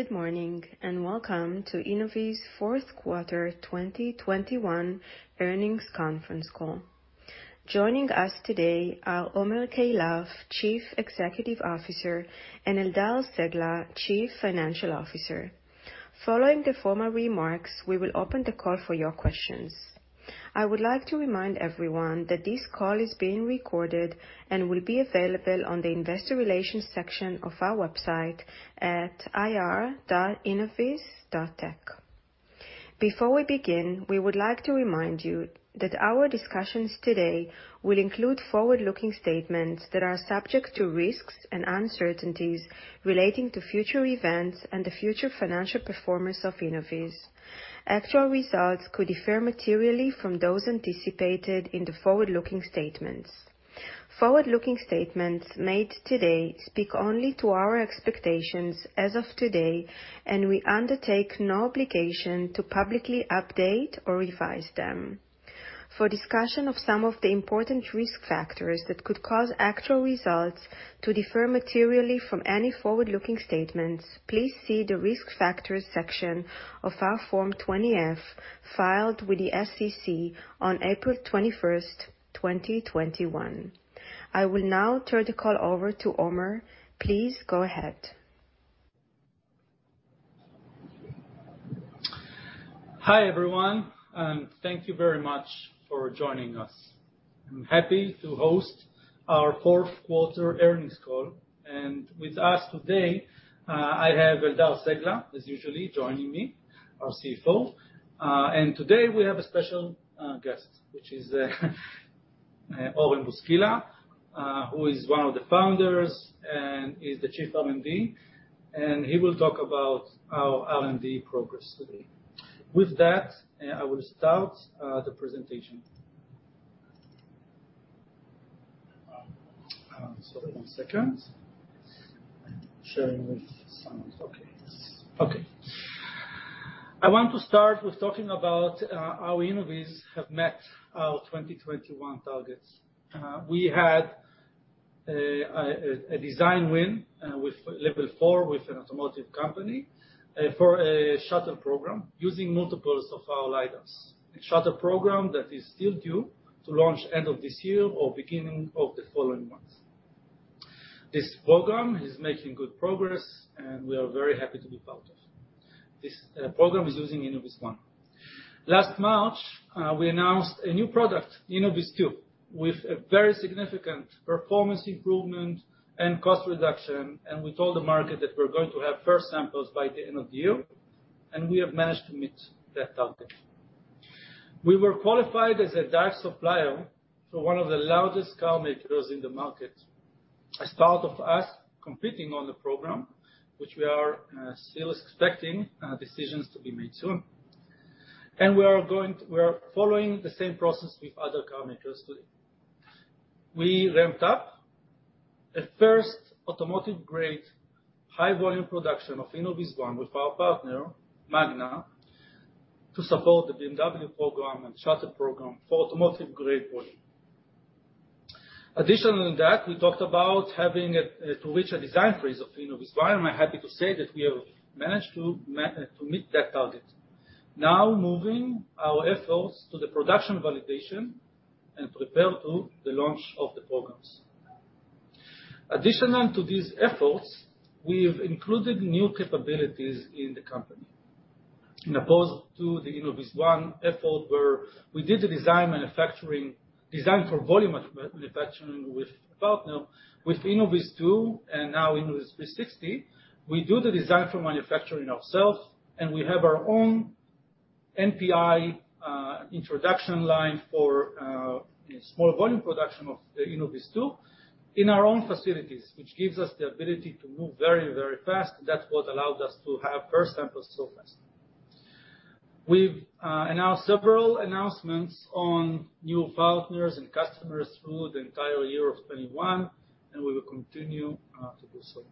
Good morning, and welcome to Innoviz fourth quarter 2021 earnings conference call. Joining us today are Omer Keilaf, Chief Executive Officer, and Eldar Cegla, Chief Financial Officer. Following the formal remarks, we will open the call for your questions. I would like to remind everyone that this call is being recorded and will be available on the investor relations section of our website at ir.innoviz.tech. Before we begin, we would like to remind you that our discussions today will include forward-looking statements that are subject to risks and uncertainties relating to future events and the future financial performance of Innoviz. Actual results could differ materially from those anticipated in the forward-looking statements. Forward-looking statements made today speak only to our expectations as of today, and we undertake no obligation to publicly update or revise them. For discussion of some of the important risk factors that could cause actual results to differ materially from any forward-looking statements, please see the Risk Factors section of our Form 20-F filed with the SEC on April 21, 2021. I will now turn the call over to Omer. Please go ahead. Hi, everyone, and thank you very much for joining us. I'm happy to host our fourth quarter earnings call. With us today, I have Eldar Cegla, as usual joining me, our CFO. Today we have a special guest, which is Oren Buskila, who is one of the founders and is the Chief R&D, and he will talk about our R&D progress today. With that, I will start the presentation. I want to start with talking about how Innoviz has met our 2021 targets. We had a design win with level four with an automotive company for a shuttle program using multiples of our LiDARs. A shuttle program that is still due to launch end of this year or beginning of the following month. This program is making good progress, and we are very happy to be part of it. This program is using InnovizOne. Last March, we announced a new product, InnovizTwo, with a very significant performance improvement and cost reduction. We told the market that we're going to have first samples by the end of the year, and we have managed to meet that target. We were qualified as a direct supplier for one of the largest car makers in the market. At the start of our competing on the program, which we are still expecting decisions to be made soon. We are following the same process with other car makers today. We ramped up a first automotive-grade high volume production of InnovizOne with our partner Magna to support the BMW program and other program for automotive-grade volume. In addition to that, we talked about having to reach a design freeze of InnovizOne. I'm happy to say that we have managed to meet that target. Now, moving our efforts to the production validation and preparing for the launch of the programs. In addition to these efforts, we have included new capabilities in the company. In contrast to the InnovizOne effort where we did the design for volume manufacturing with a partner, with InnovizTwo and now Innoviz360, we do the design for manufacturing ourselves, and we have our own NPI introduction line for small volume production of the InnovizTwo in our own facilities, which gives us the ability to move very, very fast. That's what allowed us to have first samples so fast. We've announced several announcements on new partners and customers through the entire year of 2021, and we will continue to do so.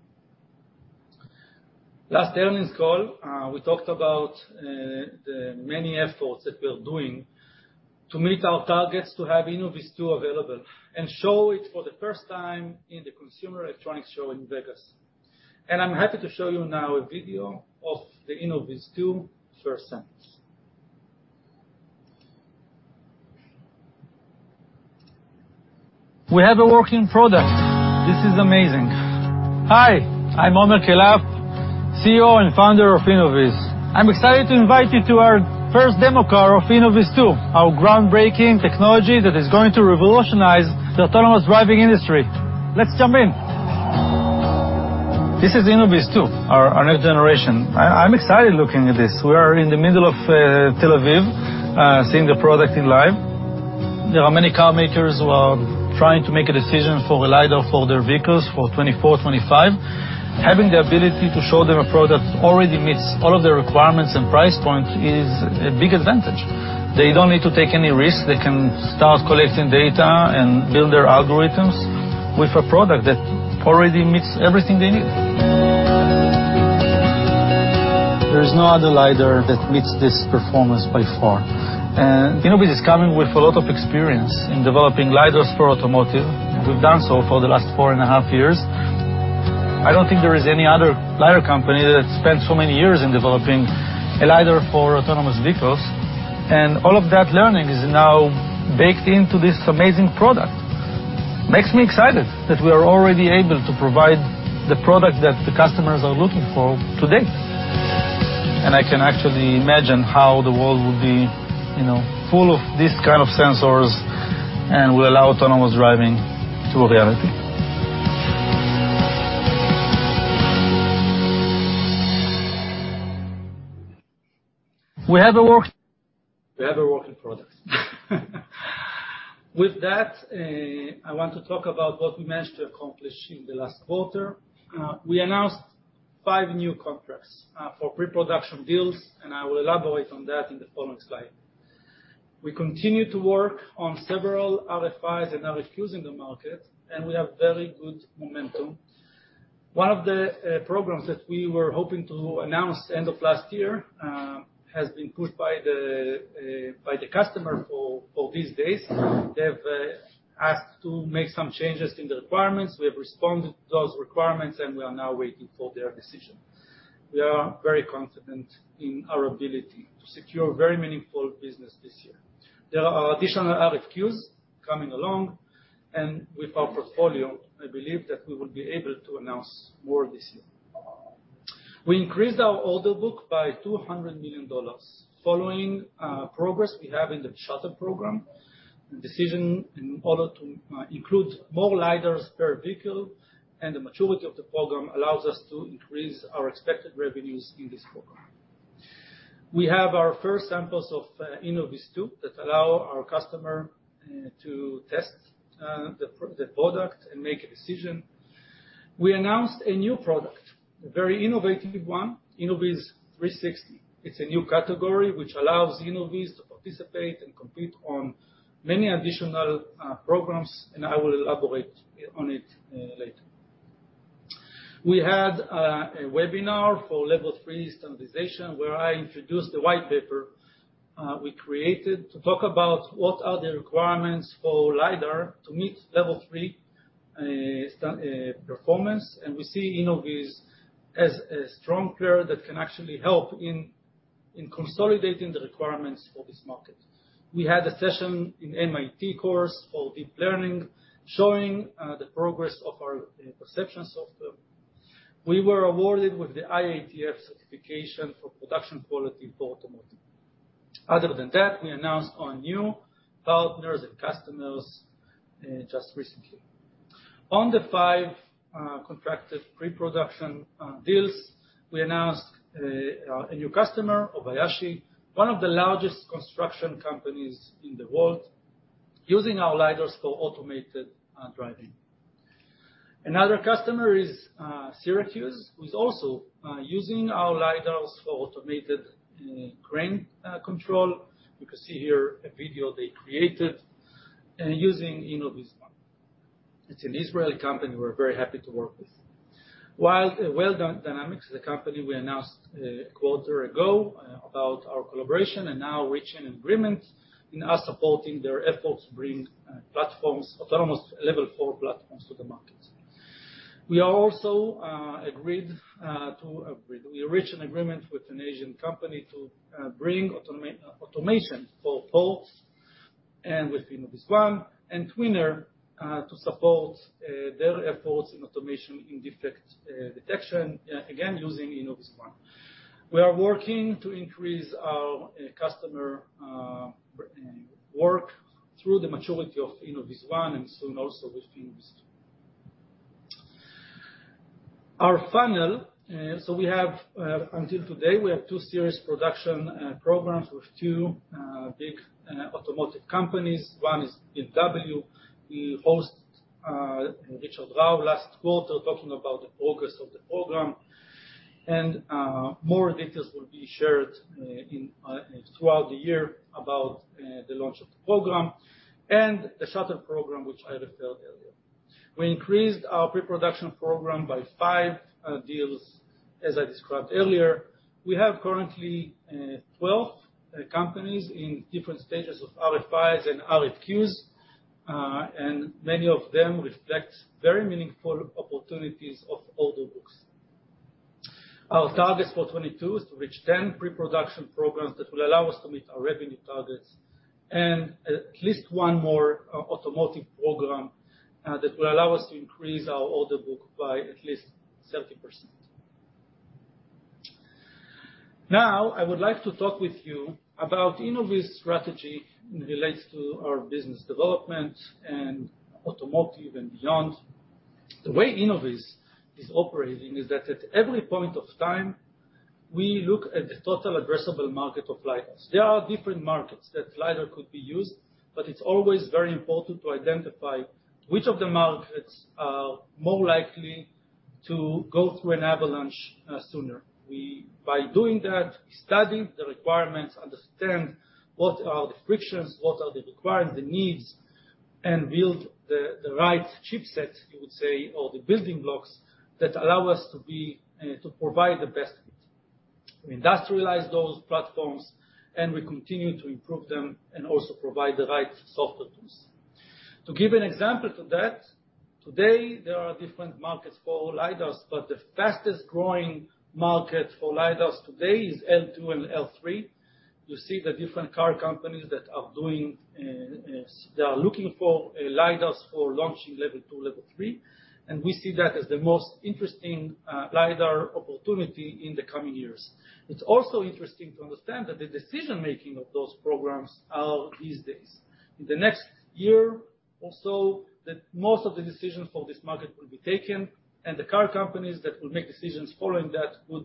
Last earnings call, we talked about the many efforts that we're doing to meet our targets to have InnovizTwo available and show it for the first time in the Consumer Electronics Show in Vegas. I'm happy to show you now a video of the InnovizTwo first samples. We have a working product. This is amazing. Hi, I'm Omer Keilaf, CEO and founder of Innoviz. I'm excited to invite you to our first demo car of InnovizTwo, our groundbreaking technology that is going to revolutionize the autonomous driving industry. Let's jump in. This is InnovizTwo, our next generation. I'm excited looking at this. We are in the middle of Tel Aviv, seeing the product live. There are many car makers who are trying to make a decision for a LiDAR for their vehicles for 2024, 2025. Having the ability to show them a product already meets all of their requirements and price point is a big advantage. They don't need to take any risk. They can start collecting data and build their algorithms with a product that already meets everything they need. There is no other LiDAR that meets this performance by far. Innoviz is coming with a lot of experience in developing LiDARs for automotive. We've done so for the last four and a half years. I don't think there is any other LiDAR company that spent so many years in developing a LiDAR for autonomous vehicles. All of that learning is now baked into this amazing product. Makes me excited that we are already able to provide the product that the customers are looking for today. I can actually imagine how the world will be, you know, full of these kind of sensors and will allow autonomous driving to a reality. We have a work- We have a working product. With that, I want to talk about what we managed to accomplish in the last quarter. We announced five new contracts for pre-production deals, and I will elaborate on that in the following slide. We continue to work on several RFIs and RFQs in the market, and we have very good momentum. One of the programs that we were hoping to announce end of last year has been pushed by the customer for these days. They have asked to make some changes in the requirements. We have responded to those requirements, and we are now waiting for their decision. We are very confident in our ability to secure very meaningful business this year. There are additional RFQs coming along, and with our portfolio, I believe that we will be able to announce more this year. We increased our order book by $200 million following progress we have in the shuttle program. The decision in order to include more LiDARs per vehicle and the maturity of the program allows us to increase our expected revenues in this program. We have our first samples of InnovizTwo that allow our customer to test the product and make a decision. We announced a new product, a very innovative one, Innoviz360. It's a new category which allows Innoviz to participate and compete on many additional programs, and I will elaborate on it later. We had a webinar for level three standardization, where I introduced the white paper we created to talk about what are the requirements for LiDAR to meet level three performance, and we see Innoviz as a strong player that can actually help in consolidating the requirements for this market. We had a session in MIT course for deep learning, showing the progress of our Perception Software. We were awarded with the IATF certification for production quality for automotive. Other than that, we announced our new partners and customers just recently. On the 5 contracted pre-production deals, we announced a new customer, Obayashi, one of the largest construction companies in the world, using our LiDARs for automated driving. Another customer is Sensagrate, who's also using our LiDARs for automated crane control. You can see here a video they created using InnovizOne. It's an Israeli company we're very happy to work with. With Whale Dynamic, a company we announced a quarter ago about our collaboration and now reaching an agreement in our supporting their efforts to bring autonomous level four platforms to the market. We also reached an agreement with an Asian company to bring automation for ports and with InnovizOne and Twinner to support their efforts in automation in defect detection again using InnovizOne. We are working to increase our customer work through the maturity of InnovizOne and soon also with InnovizTwo. Our funnel, so until today we have two serious production programs with two big automotive companies. One is BMW. We hosted Richard Rau last quarter talking about the progress of the program. More details will be shared in throughout the year about the launch of the program and the shuttle program, which I referred to earlier. We increased our pre-production program by five deals, as I described earlier. We have currently 12 companies in different stages of RFIs and RFQs, and many of them reflect very meaningful opportunities of order books. Our targets for 2022 is to reach 10 pre-production programs that will allow us to meet our revenue targets and at least one more automotive program that will allow us to increase our order book by at least 30%. Now, I would like to talk with you about Innoviz's strategy as it relates to our business development and automotive and beyond. The way Innoviz is operating is that at every point of time, we look at the total addressable market of LiDARs. There are different markets that LiDAR could be used, but it's always very important to identify which of the markets are more likely to go through an avalanche sooner. By doing that, we study the requirements, understand what are the frictions, the requirements, the needs and build the right chipset, you would say, or the building blocks that allow us to be to provide the best fit. We industrialize those platforms, and we continue to improve them and also provide the right software tools. To give an example to that, today there are different markets for LiDARs, but the fastest-growing market for LiDARs today is L2 and L3. You see the different car companies that are doing, they are looking for LiDARs for launching level two, level three, and we see that as the most interesting LiDAR opportunity in the coming years. It's also interesting to understand that the decision-making of those programs are these days. In the next year or so, that most of the decisions for this market will be taken, and the car companies that will make decisions following that would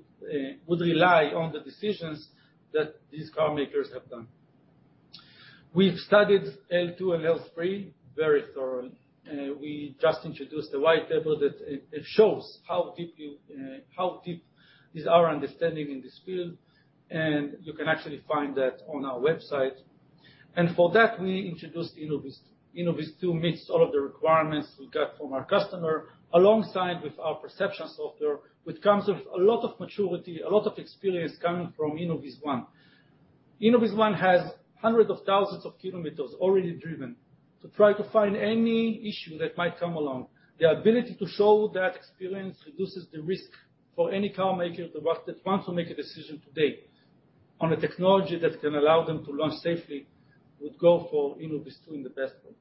rely on the decisions that these car makers have done. We've studied L2 and L3 very thoroughly. We just introduced the white paper that shows how deep is our understanding in this field, and you can actually find that on our website. For that, we introduced Innoviz. InnovizTwo meets all of the requirements we got from our customer, alongside with our Perception Software, which comes with a lot of maturity, a lot of experience coming from InnovizOne. InnovizOne has hundreds of thousands of kilometers already driven to try to find any issue that might come along. The ability to show that experience reduces the risk for any car maker that that wants to make a decision today on a technology that can allow them to launch safely, would go for InnovizTwo in the best way.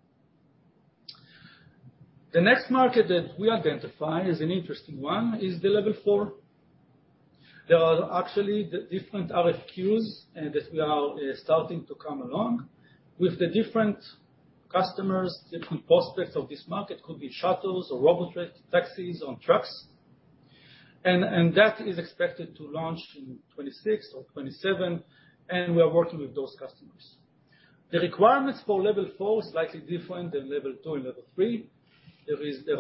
The next market that we identify as an interesting one is the level four. There are actually different RFQs that we are starting to come along with the different customers, different prospects of this market, could be shuttles or robotaxis or trucks. That is expected to launch in 2026 or 2027, and we are working with those customers. The requirements for level four is slightly different than level two and level three. There is a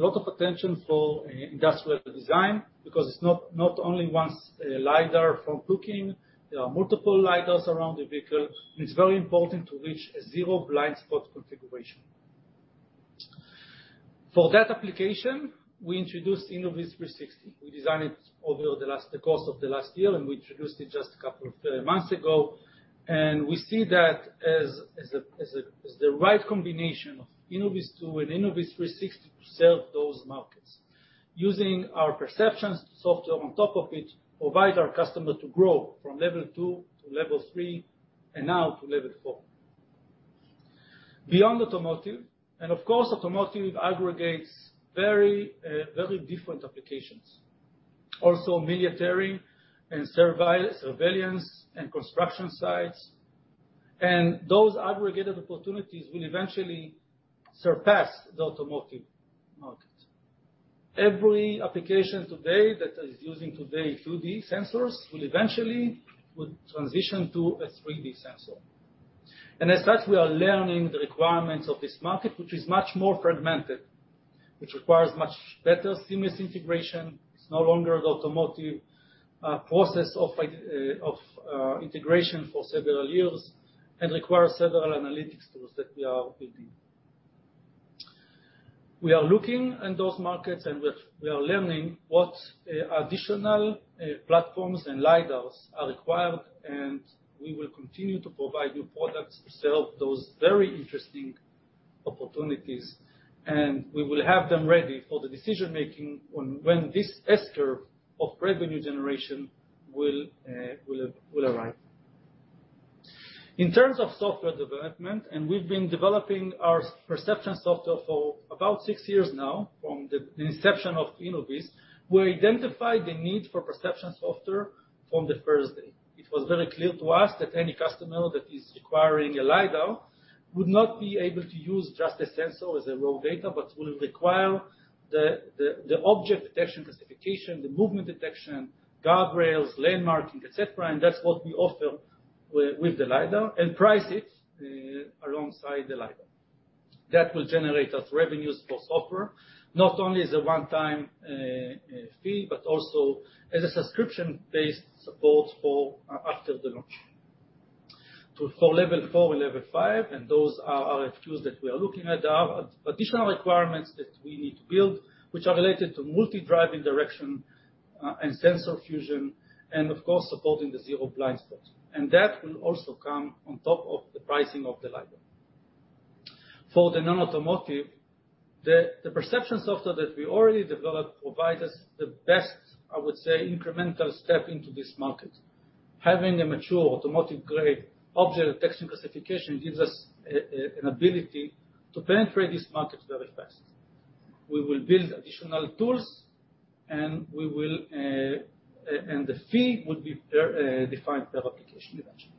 lot of attention for industrial design because it's not only one LiDAR for looking. There are multiple LiDARs around the vehicle, and it's very important to reach a zero blind spot configuration. For that application, we introduced Innoviz360. We designed it over the course of the last year, and we introduced it just a couple of months ago. We see that as the right combination of InnovizTwo and Innoviz360 to serve those markets. Using our perception software on top of it provide our customer to grow from level two to level three and now to level four. Beyond automotive, and of course, automotive aggregates very different applications. Also military and surveillance and construction sites. Those aggregated opportunities will eventually surpass the automotive market. Every application today that is using 2D sensors will eventually would transition to a 3D sensor. As such, we are learning the requirements of this market, which is much more fragmented, which requires much better seamless integration. It's no longer the automotive process of integration for several years and requires several analytics tools that we are building. We are looking in those markets and we are learning what additional platforms and LiDARs are required, and we will continue to provide new products to serve those very interesting opportunities. We will have them ready for the decision-making when this S-curve of revenue generation will arrive. In terms of software development, we've been developing our Perception Software for about six years now, from the inception of Innoviz. We identified the need for Perception Software from the first day. It was very clear to us that any customer that is requiring a LiDAR would not be able to use just a sensor as a raw data, but will require the object detection classification, the movement detection, guardrails, lane marking, et cetera, and that's what we offer with the LiDAR and price it alongside the LiDAR. That will generate us revenues for software, not only as a one-time fee, but also as a subscription-based support for after the launch. For level four and level five, and those are RFQs that we are looking at, are additional requirements that we need to build, which are related to multi-driving direction, and sensor fusion, and of course, supporting the zero blind spots. That will also come on top of the pricing of the LiDAR. For the non-automotive, the Perception Software that we already developed provide us the best, I would say, incremental step into this market. Having a mature automotive-grade object detection classification gives us an ability to penetrate this market very fast. We will build additional tools, and the fee would be defined per application eventually.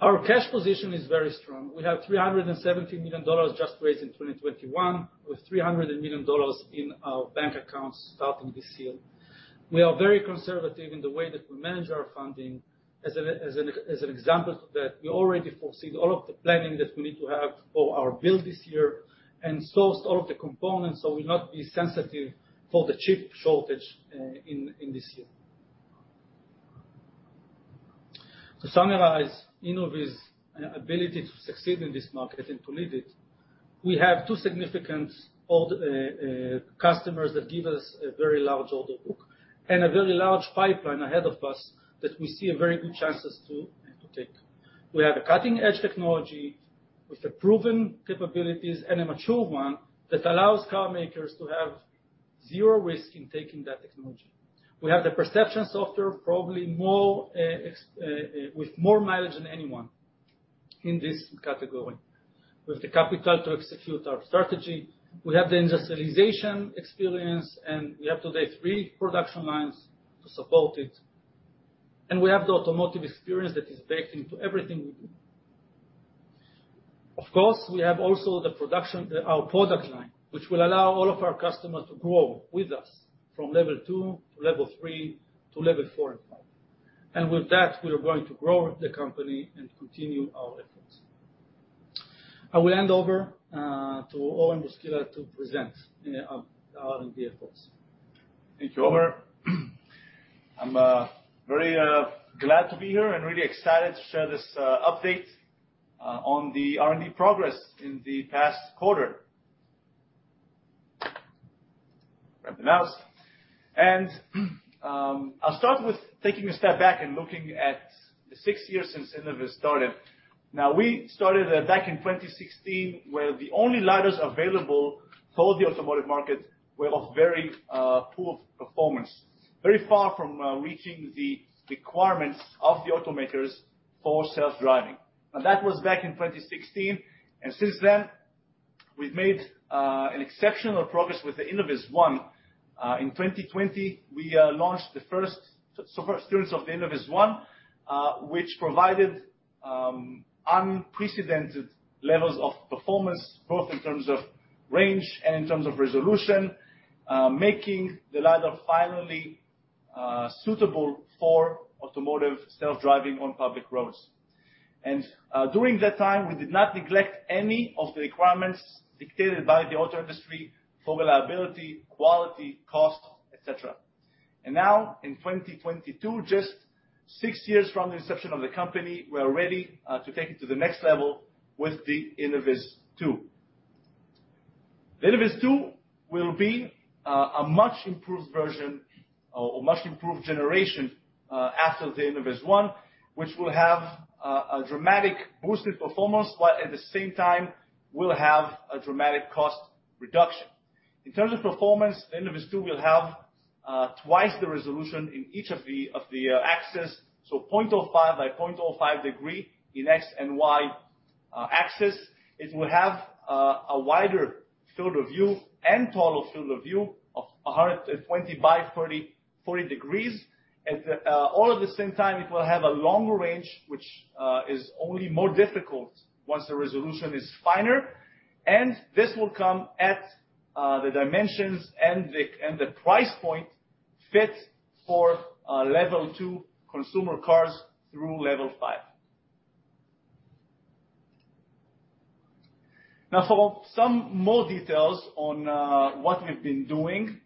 Our cash position is very strong. We have $370 million just raised in 2021, with $300 million in our bank accounts starting this year. We are very conservative in the way that we manage our funding. As an example to that, we already foresee all of the planning that we need to have for our build this year and sourced all of the components, so we'll not be sensitive for the chip shortage in this year. To summarize Innoviz's ability to succeed in this market and to lead it, we have two significant OEM customers that give us a very large order book and a very large pipeline ahead of us that we see a very good chances to take. We have a cutting edge technology with the proven capabilities and a mature one that allows car makers to have zero risk in taking that technology. We have the Perception Software, probably more experienced with more mileage than anyone in this category. With the capital to execute our strategy, we have the industrialization experience, and we have today three production lines to support it. We have the automotive experience that is baked into everything we do. Of course, we have also our product line, which will allow all of our customers to grow with us from level two to level three to level four and five. With that, we are going to grow the company and continue our efforts. I will hand over to Oren Buskila to present, you know, our R&D efforts. Thank you, Omer. I'm very glad to be here and really excited to share this update on the R&D progress in the past quarter. Grab the mouse. I'll start with taking a step back and looking at the six years since Innoviz started. Now, we started back in 2016, where the only LiDARs available for the automotive market were of very poor performance, very far from reaching the requirements of the automakers for self-driving. Now, that was back in 2016, and since then, we've made an exceptional progress with the InnovizOne. In 2020, we launched the first units of the InnovizOne, which provided unprecedented levels of performance, both in terms of range and in terms of resolution, making the LiDAR finally suitable for automotive self-driving on public roads. During that time, we did not neglect any of the requirements dictated by the auto industry for reliability, quality, cost, et cetera. Now, in 2022, just six years from the inception of the company, we are ready to take it to the next level with the InnovizTwo. The InnovizTwo will be a much improved version or much improved generation after the InnovizOne, which will have a dramatically boosted performance, but at the same time will have a dramatic cost reduction. In terms of performance, the InnovizTwo will have twice the resolution in each of the axes, so 0.5 by 0.5 degree in X and Y axes. It will have a wider field of view and total field of view of 120 by 40 degrees. At the same time, it will have a longer range, which is only more difficult once the resolution is finer. This will come at the dimensions and the price point fit for level two consumer cars through level five. Now for some more details on what we've been doing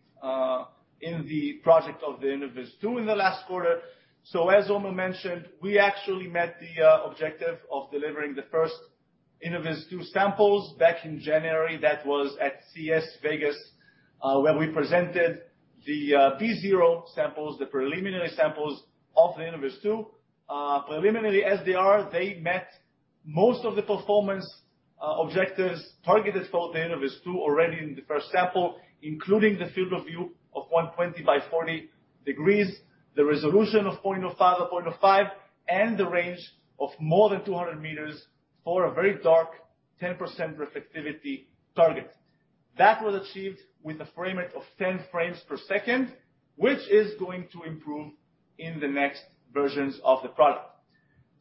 in the project of the InnovizTwo in the last quarter. As Omer mentioned, we actually met the objective of delivering the first InnovizTwo samples back in January. That was at CES Vegas, where we presented the V0 samples, the preliminary samples of the InnovizTwo. Preliminarily as they are, they met most of the performance objectives targeted for the InnovizTwo already in the first sample, including the field of view of 120 by 40 degrees, the resolution of 0.05 by 0.05, and the range of more than 200 m for a very dark 10% reflectivity target. That was achieved with a frame rate of 10 frames per second, which is going to improve in the next versions of the product.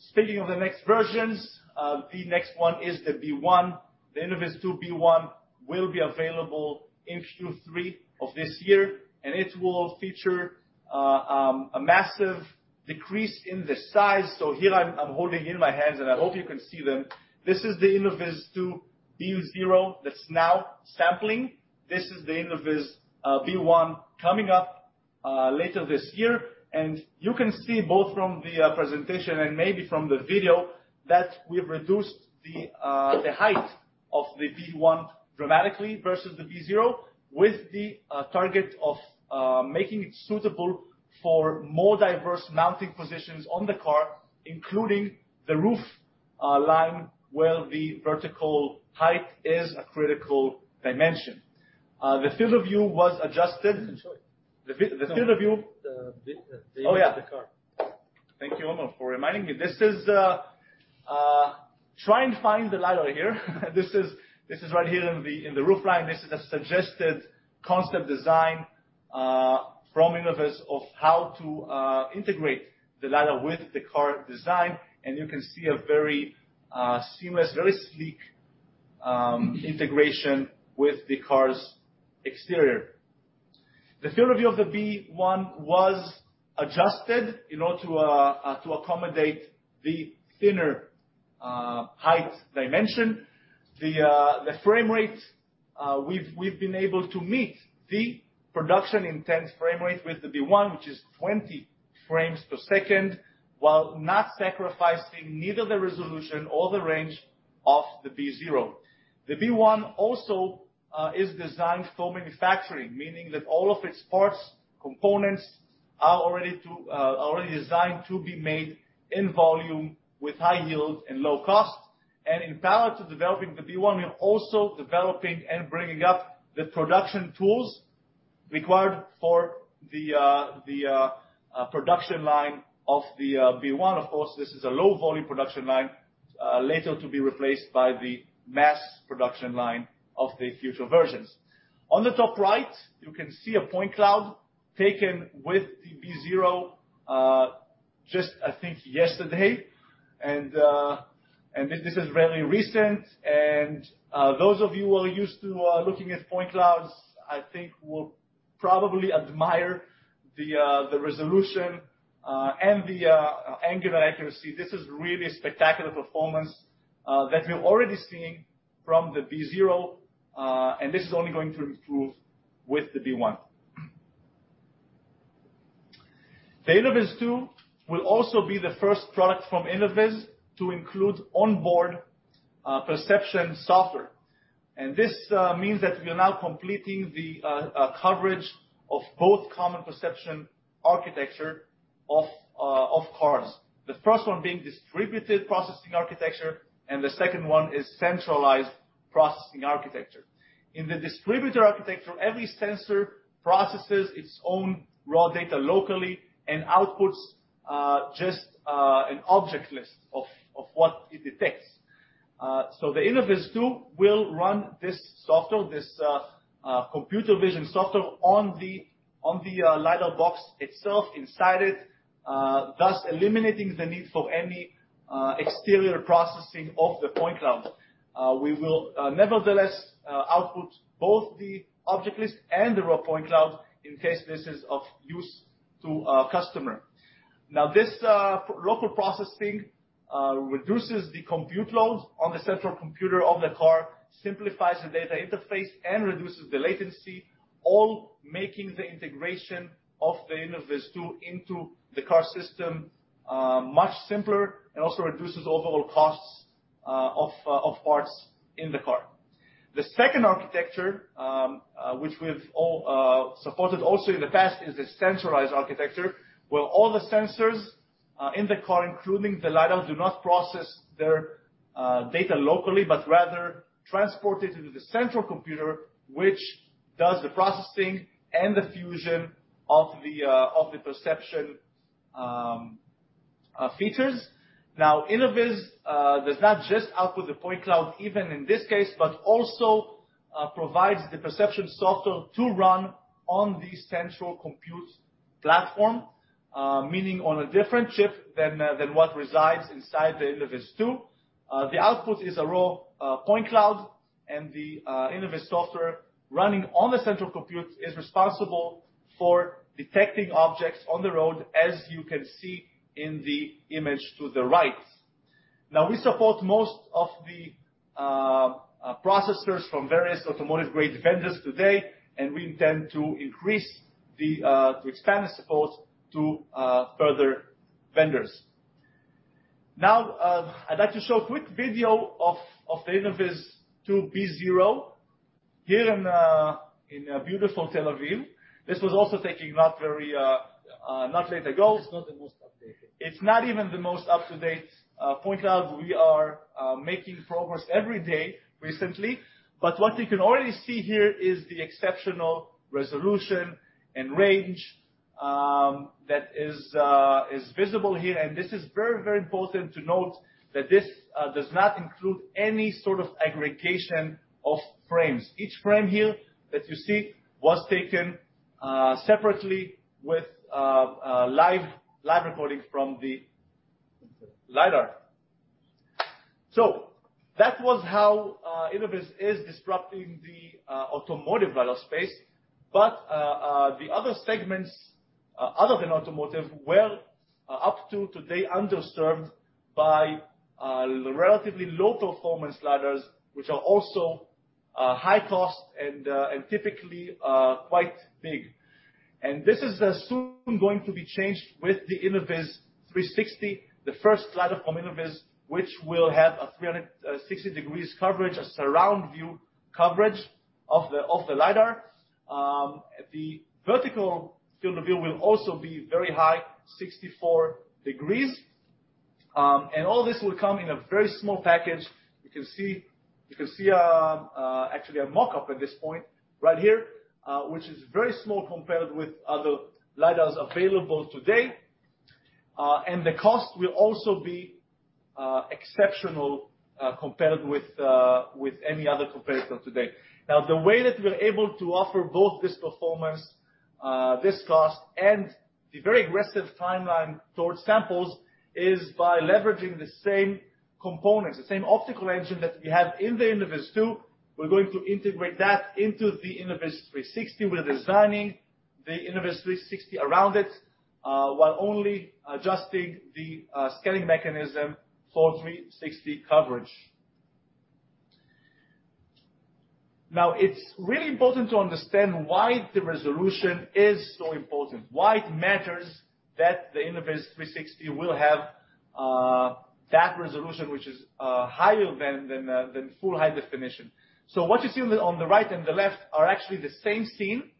Speaking of the next versions, the next one is the V1. The InnovizTwo V1 will be available in Q3 of this year, and it will feature a massive decrease in the size. Here I'm holding in my hands, and I hope you can see them. This is the InnovizTwo V0 that's now sampling. This is the Innoviz V1 coming up later this year. You can see both from the presentation and maybe from the video that we've reduced the height of the V1 dramatically versus the V0 with the target of making it suitable for more diverse mounting positions on the car, including the roof line where the vertical height is a critical dimension. The field of view was adjusted- You didn't show it. The field of view The, the- Oh, yeah. Image of the car. Thank you, Omer, for reminding me. This is right here in the roof line. This is a suggested concept design from Innoviz of how to integrate the LiDAR with the car design, and you can see a very seamless, very sleek integration with the car's exterior. The field of view of the V1 was adjusted in order to accommodate the thinner height dimension. The frame rate we've been able to meet the production intent frame rate with the V1, which is 20 frames per second, while not sacrificing neither the resolution or the range of the V0. The V1 also is designed for manufacturing, meaning that all of its parts, components are already designed to be made in volume with high yields and low cost. In parallel to developing the V1, we are also developing and bringing up the production tools required for the production line of the V1. Of course, this is a low-volume production line later to be replaced by the mass production line of the future versions. On the top right, you can see a point cloud taken with the V0 just I think yesterday. This is very recent. Those of you who are used to looking at point clouds, I think will probably admire the resolution and the angular accuracy. This is really spectacular performance that we're already seeing from the V0. This is only going to improve with the V1. The InnovizTwo will also be the first product from Innoviz to include onboard Perception Software. This means that we are now completing the coverage of both common perception architecture of cars. The first one being distributed processing architecture, and the second one is centralized processing architecture. In the distributed architecture, every sensor processes its own raw data locally and outputs just an object list of what it detects. The InnovizTwo will run this software, this computer vision software on the LiDAR box itself inside it, thus eliminating the need for any exterior processing of the point cloud. We will nevertheless output both the object list and the raw point cloud in case this is of use to a customer. Now, this local processing reduces the compute load on the central computer of the car, simplifies the data interface, and reduces the latency, all making the integration of the InnovizTwo into the car system much simpler, and also reduces overall costs of parts in the car. The second architecture, which we've all supported also in the past is the centralized architecture, where all the sensors in the car, including the LiDAR, do not process their data locally, but rather transport it into the central computer, which does the processing and the fusion of the perception features. Now, Innoviz does not just output the point cloud even in this case, but also provides the Perception Software to run on the central compute platform, meaning on a different chip than what resides inside the InnovizTwo. The output is a raw point cloud, and the Innoviz Software running on the central compute is responsible for detecting objects on the road, as you can see in the image to the right. Now, we support most of the processors from various automotive-grade vendors today, and we intend to expand the support to further vendors. Now, I'd like to show a quick video of the InnovizTwo V0 here in beautiful Tel Aviv. This was also taken not long ago. It's not the most updated. It's not even the most up-to-date point cloud. We are making progress every day recently. What you can already see here is the exceptional resolution and range that is visible here. This is very, very important to note that this does not include any sort of aggregation of frames. Each frame here that you see was taken separately with live recording from the LiDAR. That was how Innoviz is disrupting the automotive LiDAR space. The other segments other than automotive were up to today underserved by the relatively low-performance LiDARs, which are also high cost and typically quite big. This is soon going to be changed with the Innoviz360, the first LiDAR from Innoviz, which will have a 360 degrees coverage, a surround view coverage of the LiDAR. The vertical field of view will also be very high, 64 degrees. All this will come in a very small package. You can see actually a mock-up at this point right here, which is very small compared with other LiDARs available today. The cost will also be exceptional compared with any other competitor today. Now, the way that we are able to offer both this performance, this cost, and the very aggressive timeline towards samples is by leveraging the same components, the same optical engine that we have in the InnovizTwo. We're going to integrate that into the Innoviz360. We're designing the Innoviz360 around it, while only adjusting the scaling mechanism for 360 coverage. Now it's really important to understand why the resolution is so important, why it matters that the Innoviz360 will have that resolution which is higher than full high definition. What you see on the right and the left are actually the same scene,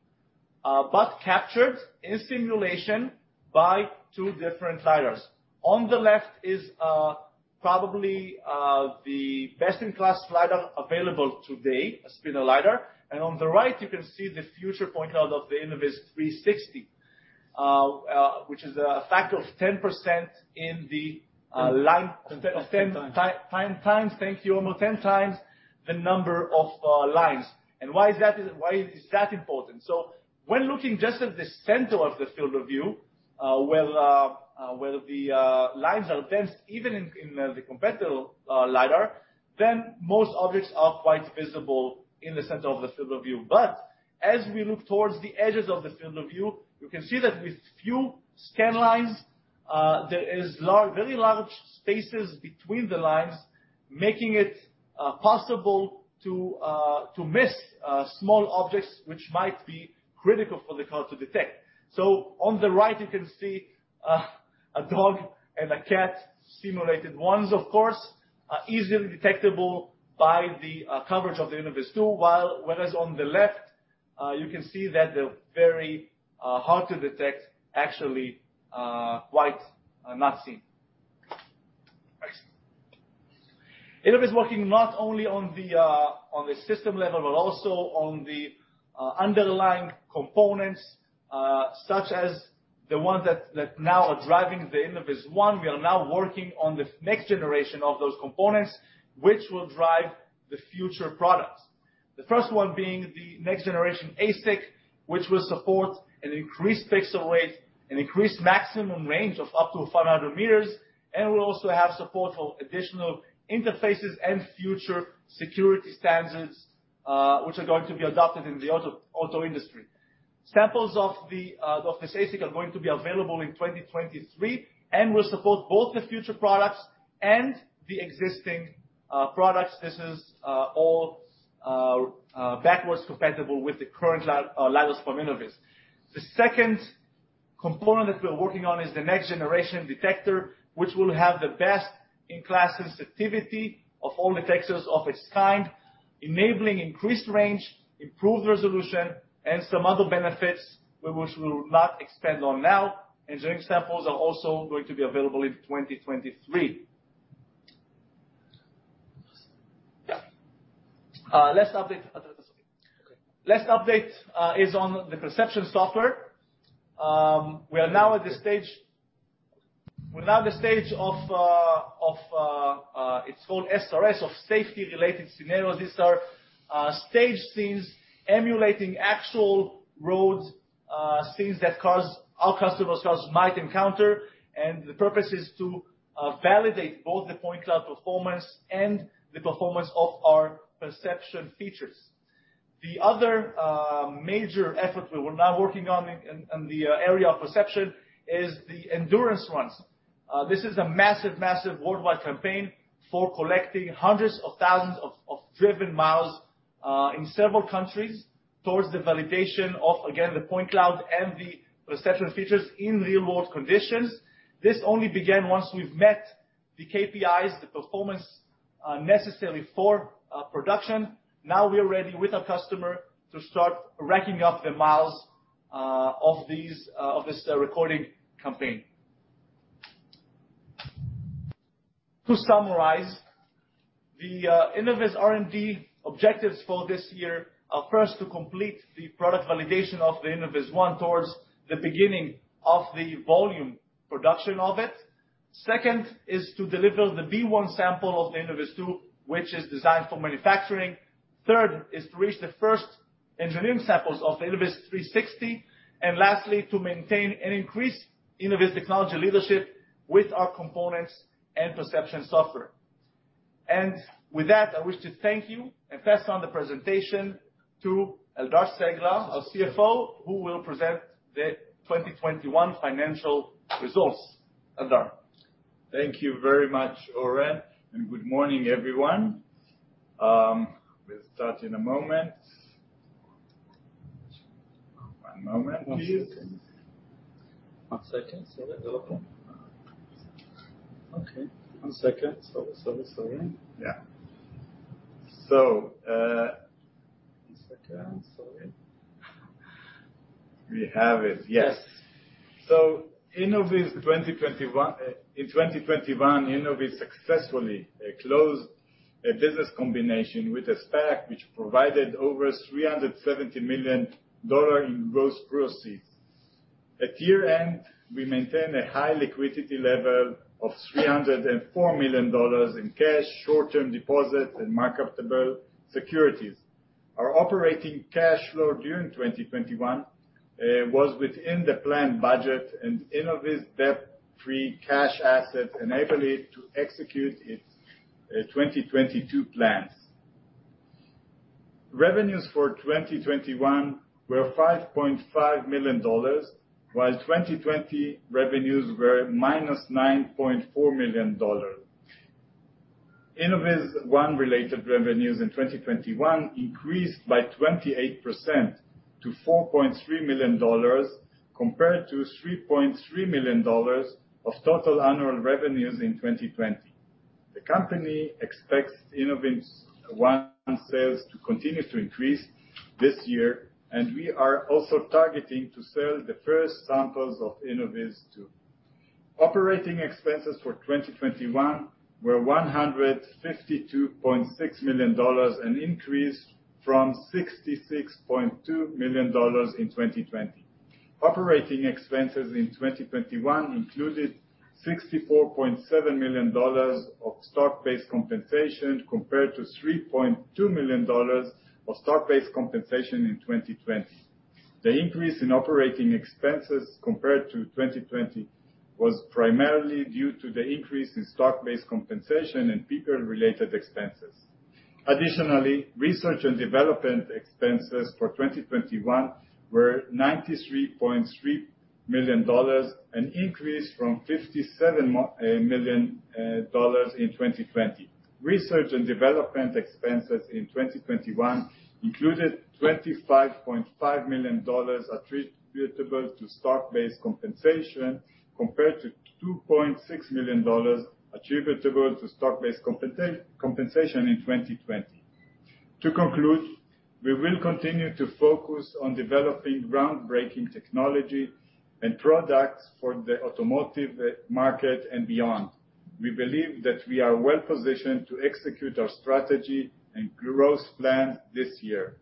but captured in simulation by two different LiDARs. On the left is probably the best-in-class LiDAR available today, a spinning LiDAR. You can see the future point cloud of the Innoviz360, which is a factor of 10% in the line- Times. 10x. Thank you, Oren. 10x the number of lines. Why is that? Why is that important? When looking just at the center of the field of view, where the lines are dense, even in the competitor LiDAR, then most objects are quite visible in the center of the field of view. As we look towards the edges of the field of view, you can see that with few scan lines, there is very large spaces between the lines making it possible to miss small objects which might be critical for the car to detect. On the right you can see a dog and a cat, simulated ones of course, easily detectable by the coverage of the InnovizTwo, whereas on the left you can see that they're very hard to detect actually, quite not seen. Innoviz is working not only on the system level, but also on the underlying components, such as the ones that now are driving the InnovizOne. We are now working on the next generation of those components which will drive the future products. The first one being the next generation ASIC, which will support an increased pixel rate, an increased maximum range of up to 500 m, and will also have support for additional interfaces and future security standards, which are going to be adopted in the auto industry. Samples of this ASIC are going to be available in 2023 and will support both the future products and the existing products. This is all backwards compatible with the current LiDARs from Innoviz. The second component that we're working on is the next generation detector, which will have the best in class sensitivity of all detectors of its kind, enabling increased range, improved resolution, and some other benefits which we will not expand on now. Engineering samples are also going to be available in 2023. Yeah. Last update. Sorry. Okay. Last update is on the perception software. We are now at the stage of SRS, safety-related scenarios. These are staged scenes emulating actual roads, scenes that our customers' cars might encounter. The purpose is to validate both the point cloud performance and the performance of our perception features. The other major effort we're now working on in the area of perception is the endurance runs. This is a massive worldwide campaign for collecting hundreds of thousands of driven miles in several countries towards the validation of, again, the point cloud and the perception features in real-world conditions. This only began once we've met the KPIs, the performance necessary for production. Now we are ready with our customer to start racking up the miles of this recording campaign. To summarize, the Innoviz R&D objectives for this year are first to complete the product validation of the InnovizOne towards the beginning of the volume production of it. Second is to deliver the V1 sample of the InnovizTwo, which is designed for manufacturing. Third is to reach the first engineering samples of the Innoviz360. Lastly, to maintain an increased Innoviz technology leadership with our components and Perception Software. With that, I wish to thank you and pass on the presentation to Eldar Cegla, our CFO, who will present the 2021 financial results. Eldar. Thank you very much, Oren, and good morning, everyone. We'll start in a moment. One moment, please. One second. Sorry. Okay, one second. Sorry. Yeah. One second. Sorry. We have it. Yes. Yes. In 2021, Innoviz successfully closed a business combination with a SPAC which provided over $370 million in gross proceeds. At year-end, we maintain a high liquidity level of $304 million in cash, short-term deposits, and marketable securities. Our operating cash flow during 2021 was within the planned budget, and Innoviz debt-free cash assets enable it to execute its 2022 plans. Revenues for 2021 were $5.5 million, while 2020 revenues were -$9.4 million. InnovizOne related revenues in 2021 increased by 28% to $4.3 million compared to $3.3 million of total annual revenues in 2020. The company expects InnovizOne sales to continue to increase this year, and we are also targeting to sell the first samples of InnovizTwo. Operating expenses for 2021 were $152.6 million, an increase from $66.2 million in 2020. Operating expenses in 2021 included $64.7 million of stock-based compensation compared to $3.2 million of stock-based compensation in 2020. The increase in operating expenses compared to 2020 was primarily due to the increase in stock-based compensation and people-related expenses. Additionally, research and development expenses for 2021 were $93.3 million, an increase from $57 million in 2020. Research and development expenses in 2021 included $25.5 million attributable to stock-based compensation compared to $2.6 million attributable to stock-based compensation in 2020. To conclude, we will continue to focus on developing groundbreaking technology and products for the automotive market and beyond. We believe that we are well-positioned to execute our strategy and growth plan this year.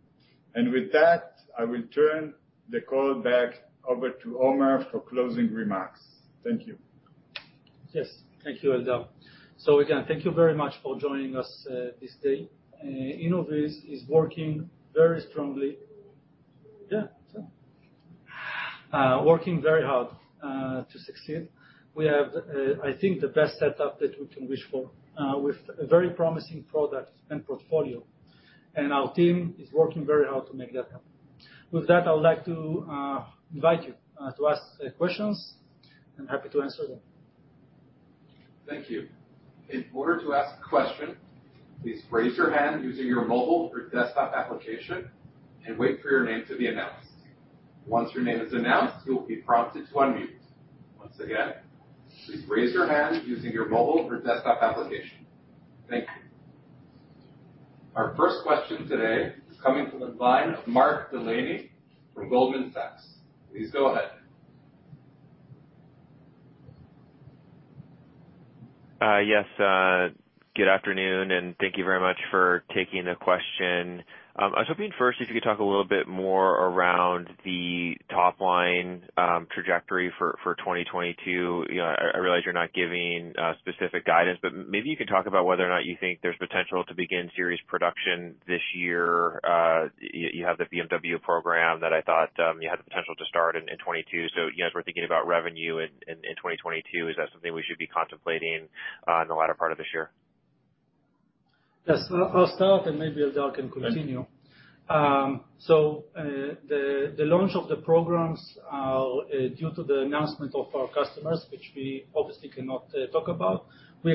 With that, I will turn the call back over to Omer for closing remarks. Thank you. Yes. Thank you, Eldar. Again, thank you very much for joining us this day. Innoviz is working very hard to succeed. We have, I think, the best setup that we can wish for with a very promising product and portfolio. Our team is working very hard to make that happen. With that, I would like to invite you to ask questions. I'm happy to answer them. Thank you. In order to ask a question, please raise your hand using your mobile or desktop application and wait for your name to be announced. Once your name is announced, you will be prompted to unmute. Once again, please raise your hand using your mobile or desktop application. Thank you. Our first question today is coming from the line of Mark Delaney from Goldman Sachs. Please go ahead. Yes. Good afternoon, and thank you very much for taking the question. I was hoping first if you could talk a little bit more around the top line trajectory for 2022. You know, I realize you're not giving specific guidance, but maybe you could talk about whether or not you think there's potential to begin serious production this year. You have the BMW program that I thought you had the potential to start in 2022. You know, as we're thinking about revenue in 2022, is that something we should be contemplating in the latter part of this year? Yes. I'll start, and maybe Eldar can continue. The launch of the programs due to the announcement of our customers, which we obviously cannot talk about. We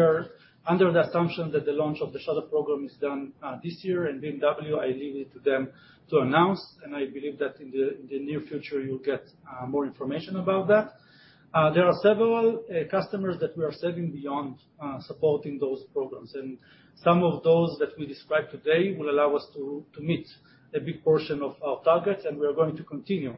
are under the assumption that the launch of the Shuttle program is done this year, and BMW, I leave it to them to announce, and I believe that in the near future, you'll get more information about that. There are several customers that we are serving beyond supporting those programs, and some of those that we described today will allow us to meet a big portion of our targets, and we are going to continue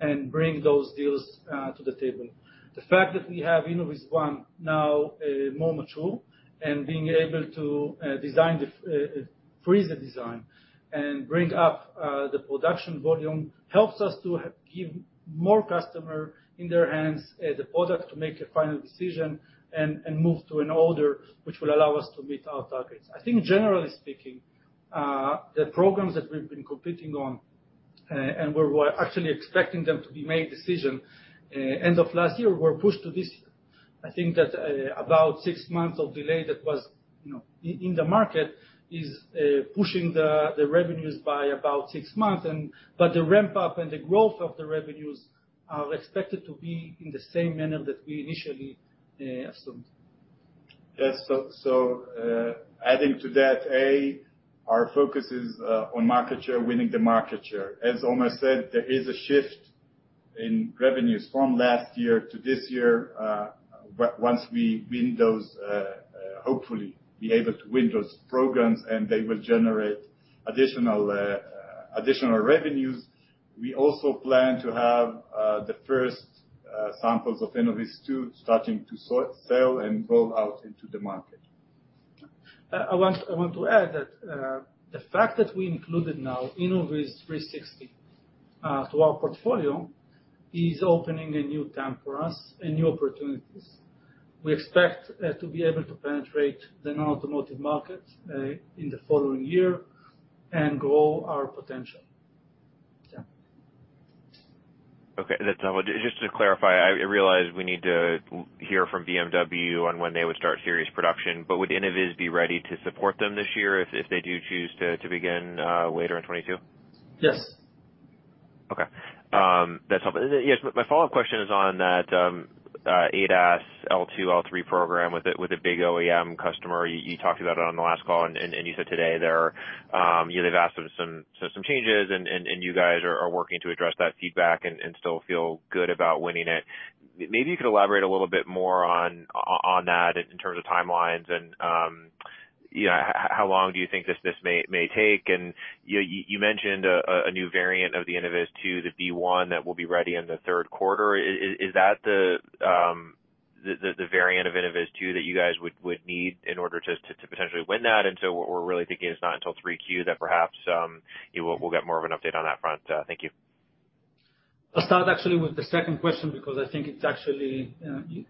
and bring those deals to the table. The fact that we have InnovizOne now more mature and being able to freeze the design and bring up the production volume helps us to give more customer in their hands the product to make a final decision and move to an order which will allow us to meet our targets. I think generally speaking, the programs that we've been competing on and we were actually expecting them to make decision end of last year were pushed to this year. I think that about six months of delay that was, you know, in the market is pushing the revenues by about six months, but the ramp up and the growth of the revenues are expected to be in the same manner that we initially assumed. Yes. Adding to that, our focus is on market share, winning the market share. As Omer said, there is a shift in revenues from last year to this year, but once we win those, hopefully be able to win those programs and they will generate additional revenues. We also plan to have the first samples of InnovizTwo starting to sell and roll out into the market. I want to add that the fact that we included now Innoviz360 to our portfolio is opening a new time for us and new opportunities. We expect to be able to penetrate the non-automotive market in the following year and grow our potential. Okay. That's helpful. Just to clarify, I realize we need to hear from BMW on when they would start series production, but would Innoviz be ready to support them this year if they do choose to begin later in 2022? Yes. Okay. That's helpful. Yes, my follow-up question is on that ADAS L2, L3 program with a big OEM customer. You talked about it on the last call and you said today they're, you know, they've asked for some changes and you guys are working to address that feedback and still feel good about winning it. Maybe you could elaborate a little bit more on that in terms of timelines and, you know, how long do you think this may take? You mentioned a new variant of the InnovizTwo, the V1 that will be ready in the third quarter. Is that the variant of InnovizTwo that you guys would need in order to potentially win that? What we're really thinking is not until 3Q that perhaps, you know, we'll get more of an update on that front. Thank you. I'll start actually with the second question because I think it's actually,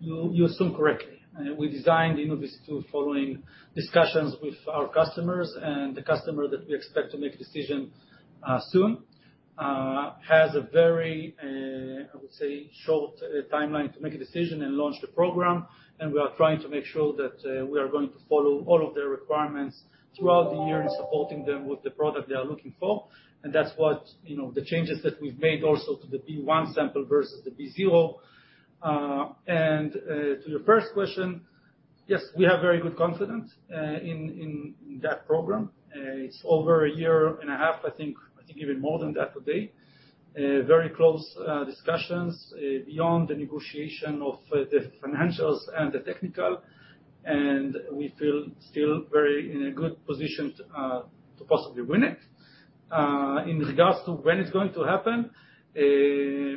you know, you assume correctly. We designed InnovizTwo following discussions with our customers, and the customer that we expect to make a decision soon has a very, I would say, short timeline to make a decision and launch the program. We are trying to make sure that we are going to follow all of their requirements throughout the year in supporting them with the product they are looking for. That's what, you know, the changes that we've made also to the V1 sample versus the V0. To your first question, yes, we have very good confidence in that program. It's over a year and a half, I think even more than that today. Very close discussions beyond the negotiation of the financials and the technical, and we feel still very in a good position to possibly win it. In regards to when it's going to happen, I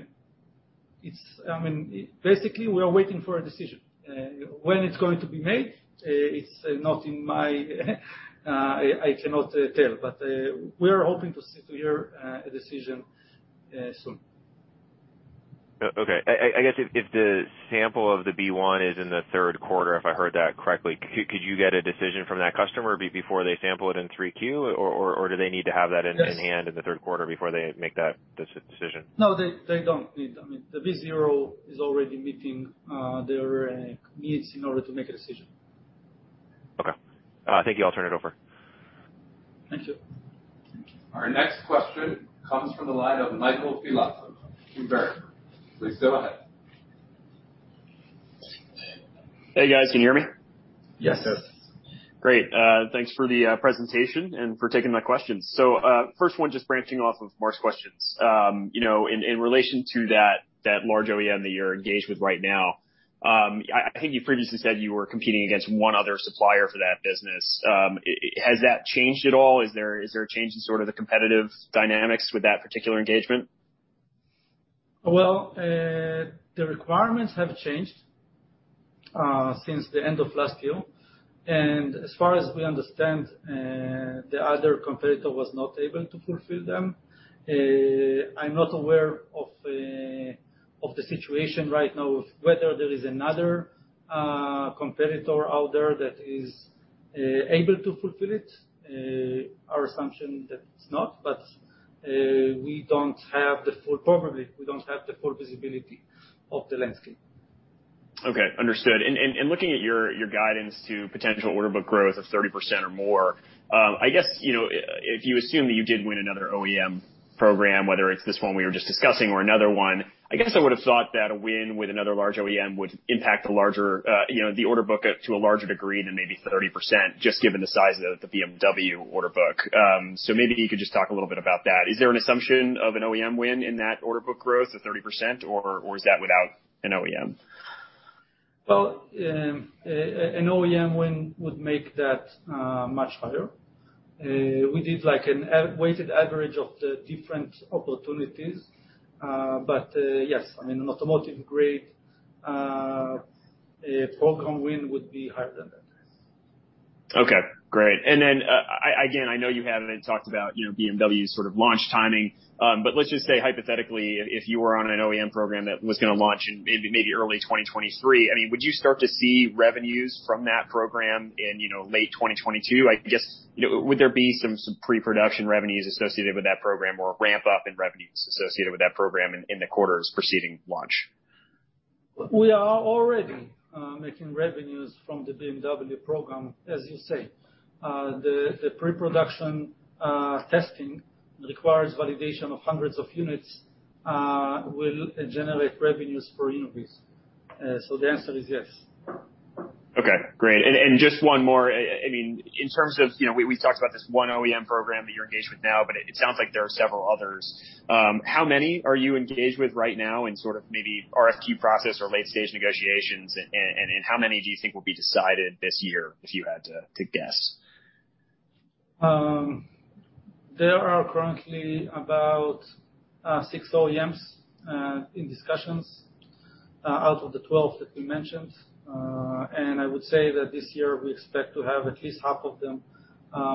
mean, basically, we are waiting for a decision. When it's going to be made, I cannot tell, but we are hoping to hear a decision soon. Okay. I guess if the sample of the V1 is in the third quarter, if I heard that correctly, could you get a decision from that customer before they sample it in 3Q? Or do they need to have that in- Yes. in the third quarter before they make that decision? No, they don't need. I mean, the V0 is already meeting their needs in order to make a decision. Okay. Thank you. I'll turn it over. Thank you. Our next question comes from the line of Michael Filatov from Baird. Please go ahead. Hey, guys. Can you hear me? Yes. Yes. Great. Thanks for the presentation and for taking my questions. First one, just branching off of Mark's questions. You know, in relation to that large OEM that you're engaged with right now, I think you previously said you were competing against one other supplier for that business. Has that changed at all? Is there a change in sort of the competitive dynamics with that particular engagement? The requirements have changed since the end of last year. As far as we understand, the other competitor was not able to fulfill them. I'm not aware of the situation right now of whether there is another competitor out there that is able to fulfill it. Our assumption that it's not, but we don't have the full visibility of the landscape. Okay. Understood. Looking at your guidance to potential order book growth of 30% or more, I guess, you know, if you assume that you did win another OEM program, whether it's this one we were just discussing or another one, I guess I would have thought that a win with another large OEM would impact the larger, you know, the order book to a larger degree than maybe 30%, just given the size of the BMW order book. So maybe you could just talk a little bit about that. Is there an assumption of an OEM win in that order book growth of 30%, or is that without an OEM? Well, an OEM win would make that much higher. We did like a weighted average of the different opportunities. Yes, I mean, an automotive-grade program win would be higher than that. Okay. Great. Again, I know you had talked about, you know, BMW's sort of launch timing, but let's just say hypothetically, if you were on an OEM program that was gonna launch in maybe early 2023, I mean, would you start to see revenues from that program in, you know, late 2022? I guess, you know, would there be some pre-production revenues associated with that program or a ramp-up in revenues associated with that program in the quarters preceding launch? We are already making revenues from the BMW program, as you say. The preproduction testing requires validation of hundreds of units, will generate revenues for Innoviz. The answer is yes. Okay. Great. Just one more. I mean, in terms of, you know, we talked about this one OEM program that you're engaged with now, but it sounds like there are several others. How many are you engaged with right now in sort of maybe RFQ process or late-stage negotiations? How many do you think will be decided this year, if you had to guess? There are currently about six OEMs in discussions out of the 12 that we mentioned. I would say that this year we expect to have at least half of them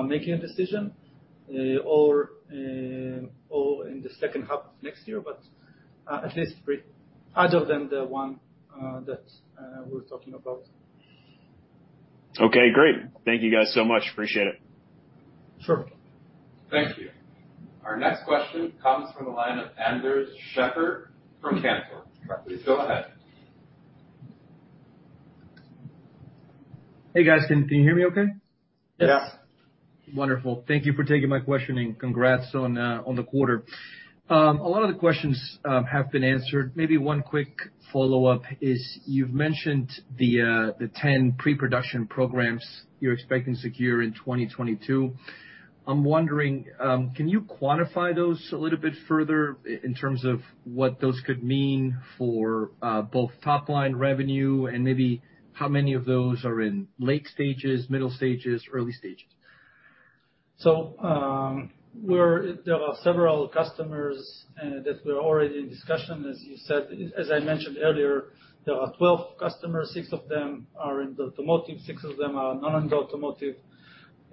making a decision or in the second half of next year, but at least three other than the one that we're talking about. Okay, great. Thank you guys so much. Appreciate it. Sure. Thank you. Our next question comes from the line of Andres Sheppard from Cantor. Please go ahead. Hey guys. Can you hear me okay? Yes. Yeah. Wonderful. Thank you for taking my question, and congrats on the quarter. A lot of the questions have been answered. Maybe one quick follow-up is you've mentioned the ten pre-production programs you're expecting to secure in 2022. I'm wondering, can you quantify those a little bit further in terms of what those could mean for both top line revenue and maybe how many of those are in late stages, middle stages, early stages? There are several customers that we're already in discussion, as you said. As I mentioned earlier, there are 12 customers. Six of them are in the automotive, six of them are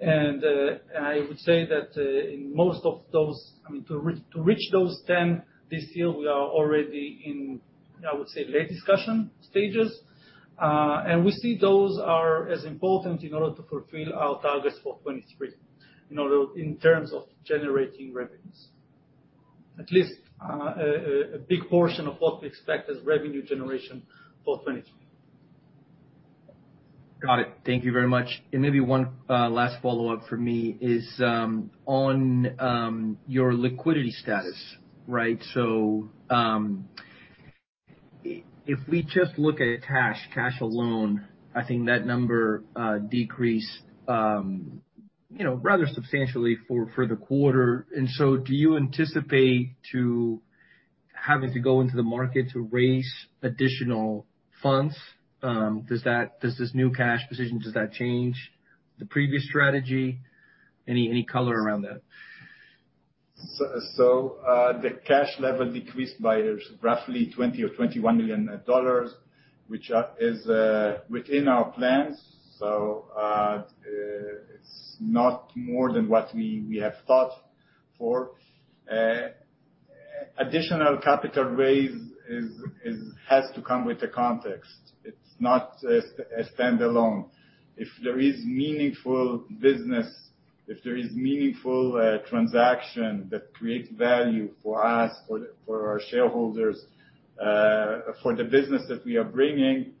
non-automotive. I would say that in most of those, I mean to reach those 10 this year, we are already in late discussion stages. We see those are as important in order to fulfill our targets for 2023 in terms of generating revenues. At least a big portion of what we expect as revenue generation for 2023. Got it. Thank you very much. Maybe one last follow-up from me is on your liquidity status, right? If we just look at cash alone, I think that number decreased, you know, rather substantially for the quarter. Do you anticipate having to go into the market to raise additional funds? Does this new cash position change the previous strategy? Any color around that? The cash level decreased by roughly $20 million or $21 million, which is within our plans. It's not more than what we have thought for. Additional capital raise has to come with the context. It's not a stand alone. If there is meaningful business, if there is meaningful transaction that creates value for us, for our shareholders, for the business that we are bringing,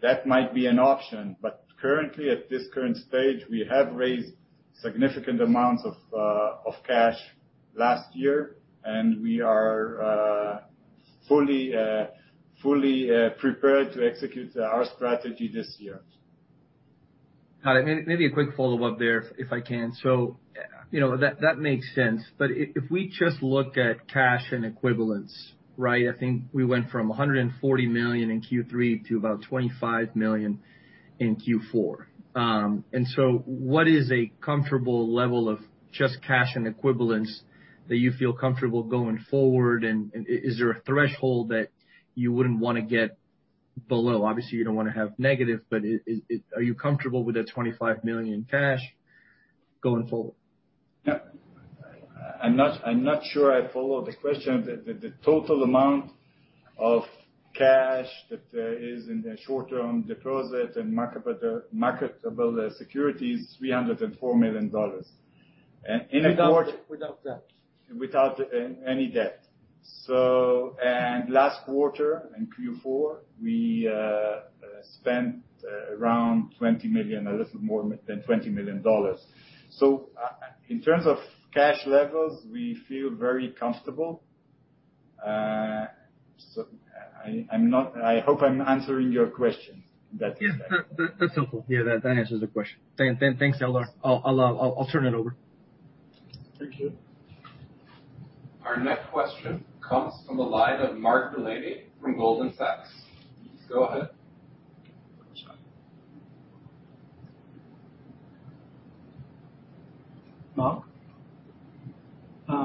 that might be an option. Currently, at this current stage, we have raised significant amounts of cash last year, and we are fully prepared to execute our strategy this year. Got it. Maybe a quick follow-up there, if I can. You know, that makes sense. If we just look at cash and equivalents, right? I think we went from $140 million in Q3 to about $25 million in Q4. What is a comfortable level of just cash and equivalents that you feel comfortable going forward? Is there a threshold that you wouldn't wanna get below? Obviously you don't wanna have negative, but are you comfortable with that $25 million cash going forward? Yeah. I'm not sure I follow the question. The total amount of cash that is in the short-term deposit and marketable securities, $304 million. In a quarter- Without debt. Without any debt. Last quarter in Q4, we spent around $20 million, a little more than $20 million. In terms of cash levels, we feel very comfortable. I hope I'm answering your question that is there. Yeah. That's helpful. Yeah, that answers the question. Thanks, Eldar. I'll turn it over. Thank you. Our next question comes from the line of Mark Delaney from Goldman Sachs. Go ahead. Mark?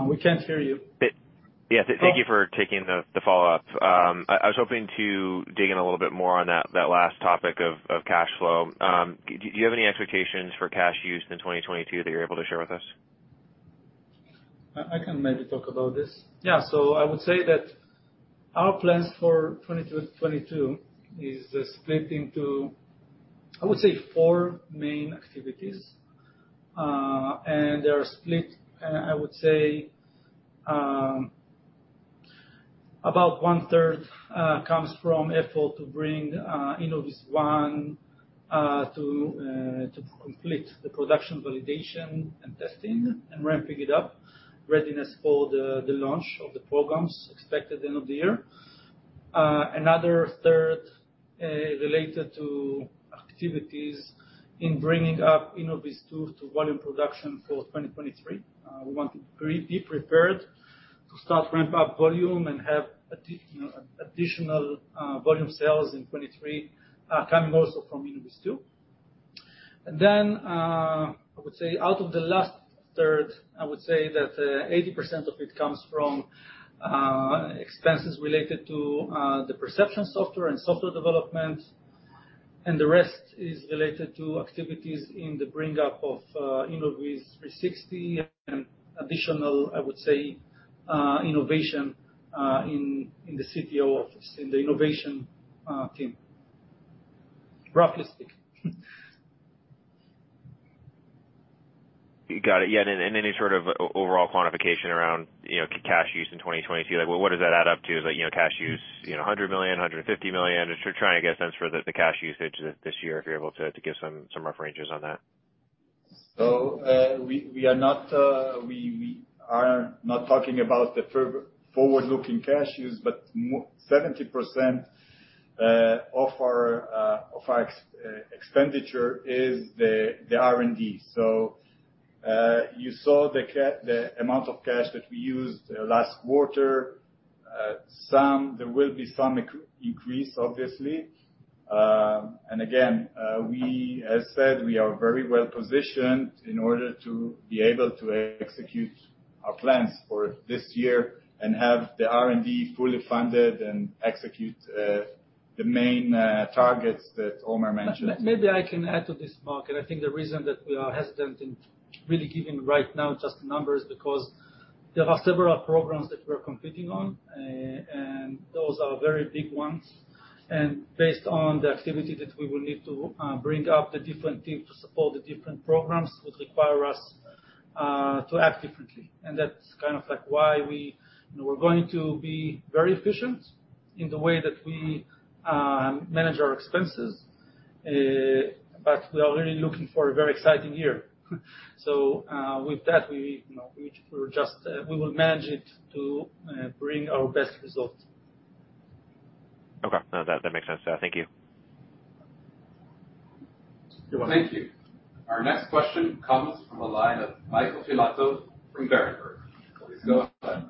We can't hear you. Yeah. Thank you for taking the follow-up. I was hoping to dig in a little bit more on that last topic of cash flow. Do you have any expectations for cash use in 2022 that you're able to share with us? I can maybe talk about this. Yeah. I would say that our plans for 2022 is split into, I would say four main activities. They are split, I would say, about 1/3 comes from effort to bring InnovizOne to complete the production validation and testing and ramping it up readiness for the launch of the programs expected end of the year. Another 1/3 related to activities in bringing up InnovizTwo to volume production for 2023. We want to be prepared to start ramp up volume and have additional, you know, volume sales in 2023 coming also from InnovizTwo. I would say out of the last 1/3, I would say that 80% of it comes from expenses related to the Perception Software and software development, and the rest is related to activities in the bring up of Innoviz360 and additional, I would say, innovation. In the CTO office, in the innovation team. Roughly speaking. You got it. Yeah. Any sort of overall quantification around, you know, cash use in 2020. Like, what does that add up to? Is that, you know, cash use, you know, $100 million, $150 million? Just trying to get a sense for the cash usage this year, if you're able to give some rough ranges on that. We are not talking about the forward-looking cash use, but 70% of our expenditure is the R&D. You saw the amount of cash that we used last quarter. There will be some increase, obviously. As said, we are very well positioned in order to be able to execute our plans for this year and have the R&D fully funded and execute the main targets that Omer mentioned. Maybe I can add to this, Mark. I think the reason that we are hesitant in really giving right now just numbers because there are several programs that we're competing on. Those are very big ones. Based on the activity that we will need to bring up the different teams to support the different programs would require us to act differently. That's kind of like why we, you know, we're going to be very efficient in the way that we manage our expenses. We are really looking for a very exciting year. With that, we, you know, we just will manage it to bring our best results. Okay. No, that makes sense. Thank you. You're welcome. Thank you. Our next question comes from a line of Michael Filatov from Berenberg. Please go ahead.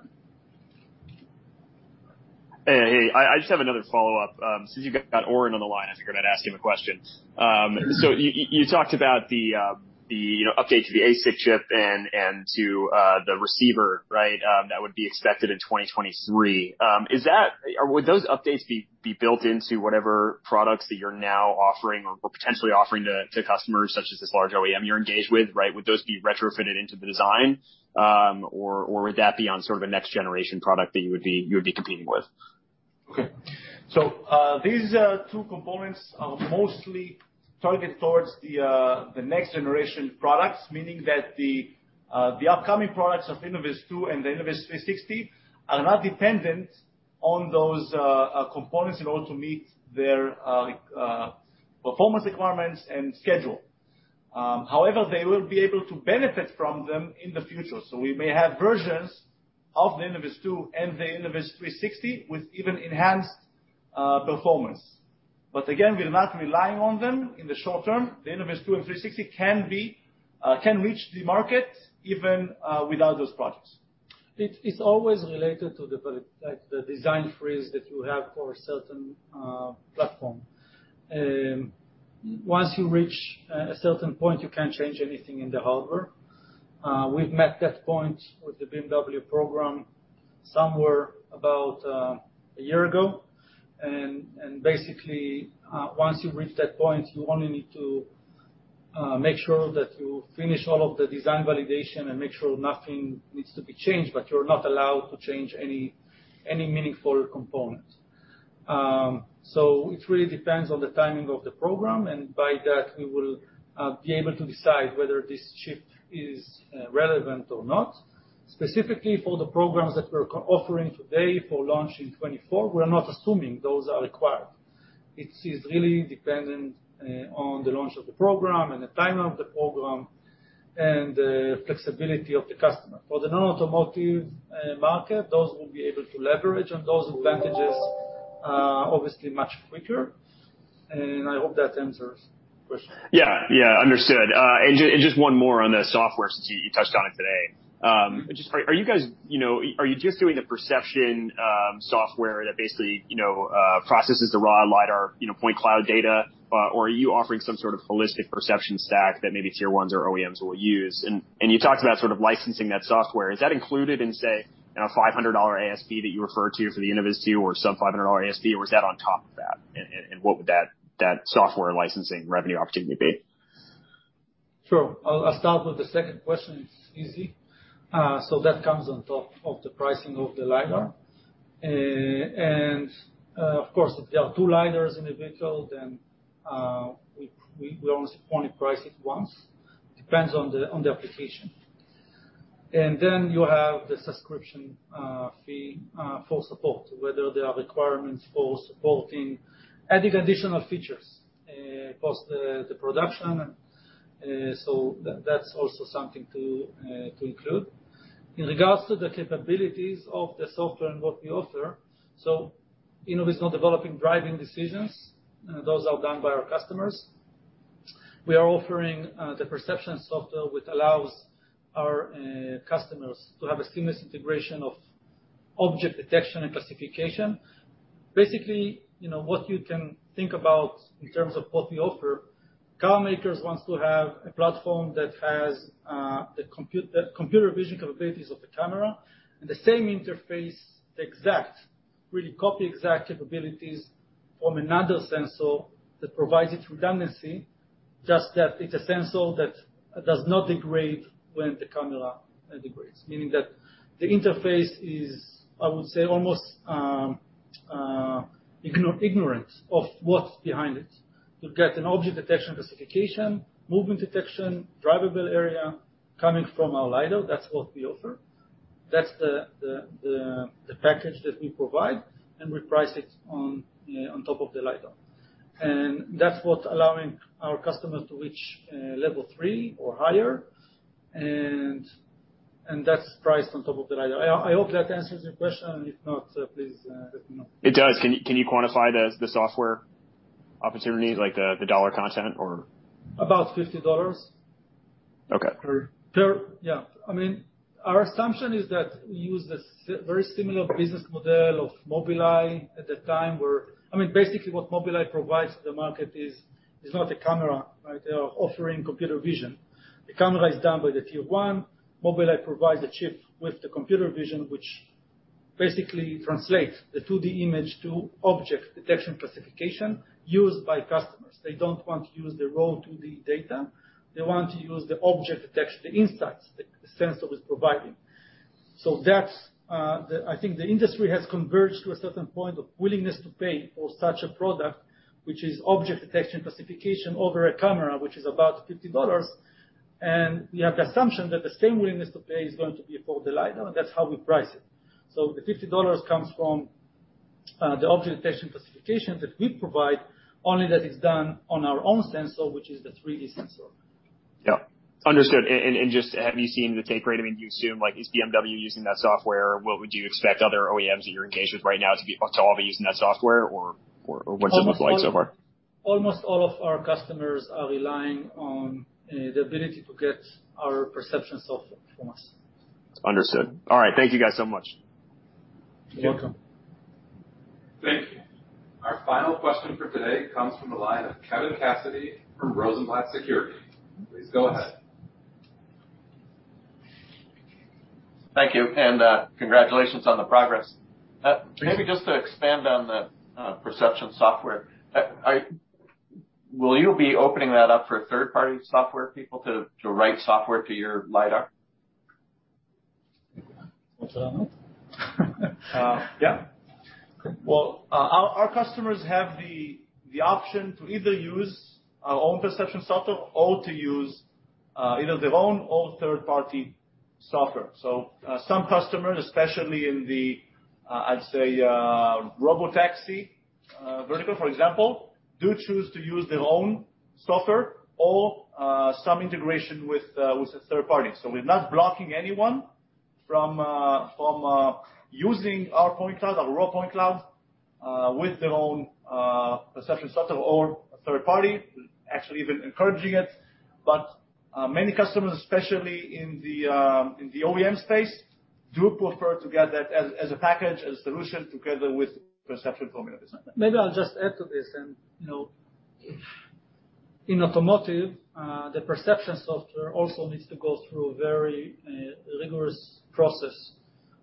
Hey, hey. I just have another follow-up. Since you got Oren on the line, I figured I'd ask him a question. So you talked about the you know update to the ASIC chip and to the receiver, right? That would be expected in 2023. Is that or would those updates be built into whatever products that you're now offering or potentially offering to customers such as this large OEM you're engaged with, right? Would those be retrofitted into the design? Or would that be on sort of a next generation product that you would be competing with? Okay. These two components are mostly targeted towards the next generation products, meaning that the upcoming products of InnovizTwo and the Innoviz360 are not dependent on those components in order to meet their performance requirements and schedule. However, they will be able to benefit from them in the future. We may have versions of the InnovizTwo and the Innoviz360 with even enhanced performance. Again, we're not relying on them in the short term. The InnovizTwo and Innoviz360 can reach the market even without those products. It is always related to the design freeze that you have for a certain platform. Once you reach a certain point, you can't change anything in the hardware. We've met that point with the BMW program about a year ago. Basically, once you reach that point, you only need to make sure that you finish all of the design validation and make sure nothing needs to be changed, but you're not allowed to change any meaningful component. It really depends on the timing of the program, and by that, we will be able to decide whether this chip is relevant or not. Specifically for the programs that we're offering today for launch in 2024, we're not assuming those are required. It is really dependent on the launch of the program and the timing of the program and the flexibility of the customer. For the non-automotive market, those will be able to leverage on those advantages, obviously much quicker. I hope that answers your question. Yeah, yeah. Understood. Just one more on the software since you touched on it today. Are you guys, you know, just doing the perception software that basically, you know, processes the raw LiDAR point cloud data? Or are you offering some sort of holistic perception stack that maybe tier ones or OEMs will use? You talked about sort of licensing that software. Is that included in, say, you know, $500 ASP that you referred to for the InnovizTwo or sub-$500 ASP, or is that on top of that? What would that software licensing revenue opportunity be? Sure. I'll start with the second question. It's easy. That comes on top of the pricing of the LiDAR. Of course, if there are two LiDARs in a vehicle then we almost only price it once. Depends on the application. Then you have the subscription fee for support, whether there are requirements for supporting any additional features post the production. That's also something to include. In regards to the capabilities of the software and what we offer, Innoviz is not developing driving decisions. Those are done by our customers. We are offering the Perception Software which allows our customers to have a seamless integration of object detection and classification. Basically, you know, what you can think about in terms of what we offer, car makers want to have a platform that has the computer vision capabilities of the camera and the same interface, the exact really copy exact capabilities from another sensor that provides it redundancy, just that it's a sensor that does not degrade when the camera degrades. Meaning that the interface is, I would say, almost ignorant of what's behind it. You get an object detection classification, movement detection, drivable area coming from our LiDAR. That's what we offer. That's the package that we provide, and we price it on top of the LiDAR. That's what allowing our customers to reach level three or higher, and that's priced on top of the LiDAR. I hope that answers your question, and if not, please let me know. It does. Can you quantify the software opportunity like the dollar content or? About $50. Okay. Yeah. I mean, our assumption is that we use very similar business model of Mobileye at the time. I mean, basically what Mobileye provides to the market is not a camera, right? They are offering computer vision. The camera is done by the tier one. Mobileye provides a chip with the computer vision, which basically translates the 2D image to object detection classification used by customers. They don't want to use the raw 2D data. They want to use the object detection, the insights the sensor is providing. That's, I think, the industry has converged to a certain point of willingness to pay for such a product, which is object detection classification over a camera, which is about $50. We have the assumption that the same willingness to pay is going to be for the lidar, and that's how we price it. The $50 comes from the object detection classification that we provide, only that is done on our own sensor, which is the 3D sensor. Yeah. Understood. Just have you seen the take rate? I mean, do you assume, like is BMW using that software? What would you expect other OEMs that you're engaged with right now to all be using that software or what does it look like so far? Almost all of our customers are relying on the ability to get our Perception Software from us. Understood. All right. Thank you guys so much. You're welcome. Thank you. Our final question for today comes from the line of Kevin Garrigan from Rosenblatt Securities. Please go ahead. Thank you, and, congratulations on the progress. Maybe just to expand on the Perception Software. Will you be opening that up for third-party software people to write software to your LiDAR? Want to answer that one? Yeah. Our customers have the option to either use our own Perception Software or to use either their own or third-party software. Some customers, especially in the I'd say robotaxi vertical, for example, do choose to use their own software or some integration with a third party. We're not blocking anyone from using our point cloud, our raw point cloud, with their own Perception Software or a third party. Actually even encouraging it. Many customers, especially in the OEM space, do prefer to get that as a package, as a solution together with Perception Software from Innoviz. Maybe I'll just add to this. You know, in automotive, the Perception Software also needs to go through a very rigorous process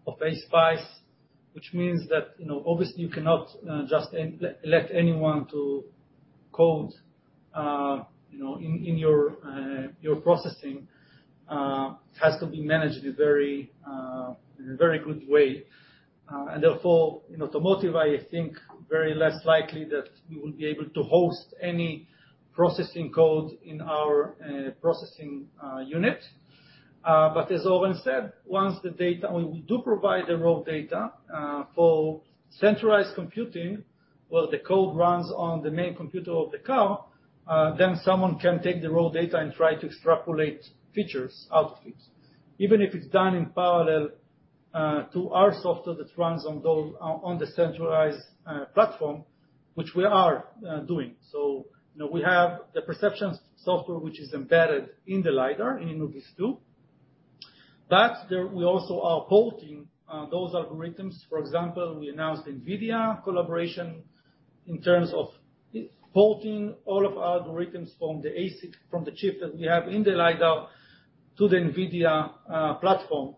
of ASPICE, which means that, you know, obviously you cannot just let anyone to code, you know, in your processing. It has to be managed in a very good way. Therefore, in automotive, I think very less likely that we will be able to host any processing code in our processing unit. As Oren said, we do provide the raw data for centralized computing, while the code runs on the main computer of the car, then someone can take the raw data and try to extrapolate features out of it, even if it's done in parallel to our software that runs on the centralized platform, which we are doing. You know, we have the Perception Software which is embedded in the LiDAR, in InnovizTwo. We also are porting those algorithms. For example, we announced Nvidia collaboration in terms of porting all of our algorithms from the ASIC, from the chip that we have in the LiDAR to the Nvidia platform.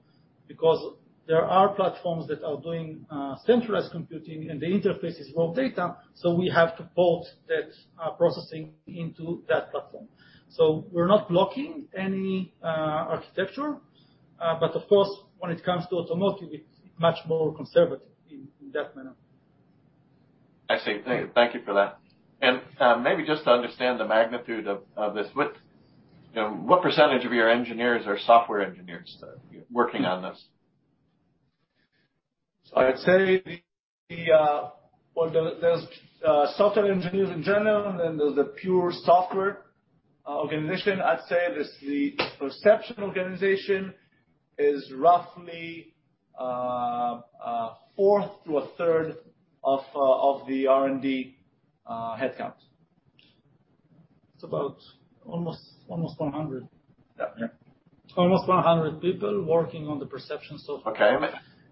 Because there are platforms that are doing centralized computing, and the interface is raw data, so we have to port that processing into that platform. We're not blocking any architecture. Of course, when it comes to automotive, it's much more conservative in that manner. I see. Thank you. Thank you for that. Maybe just to understand the magnitude of this. You know, what percentage of your engineers are software engineers that you're working on this? I'd say well, there's software engineers in general, and then there's the pure software organization. I'd say the perception organization is roughly 1/4 to 1/3 of the R&D headcount. It's about almost 100. Yeah. Almost 100 people working on the Perception Software. Okay.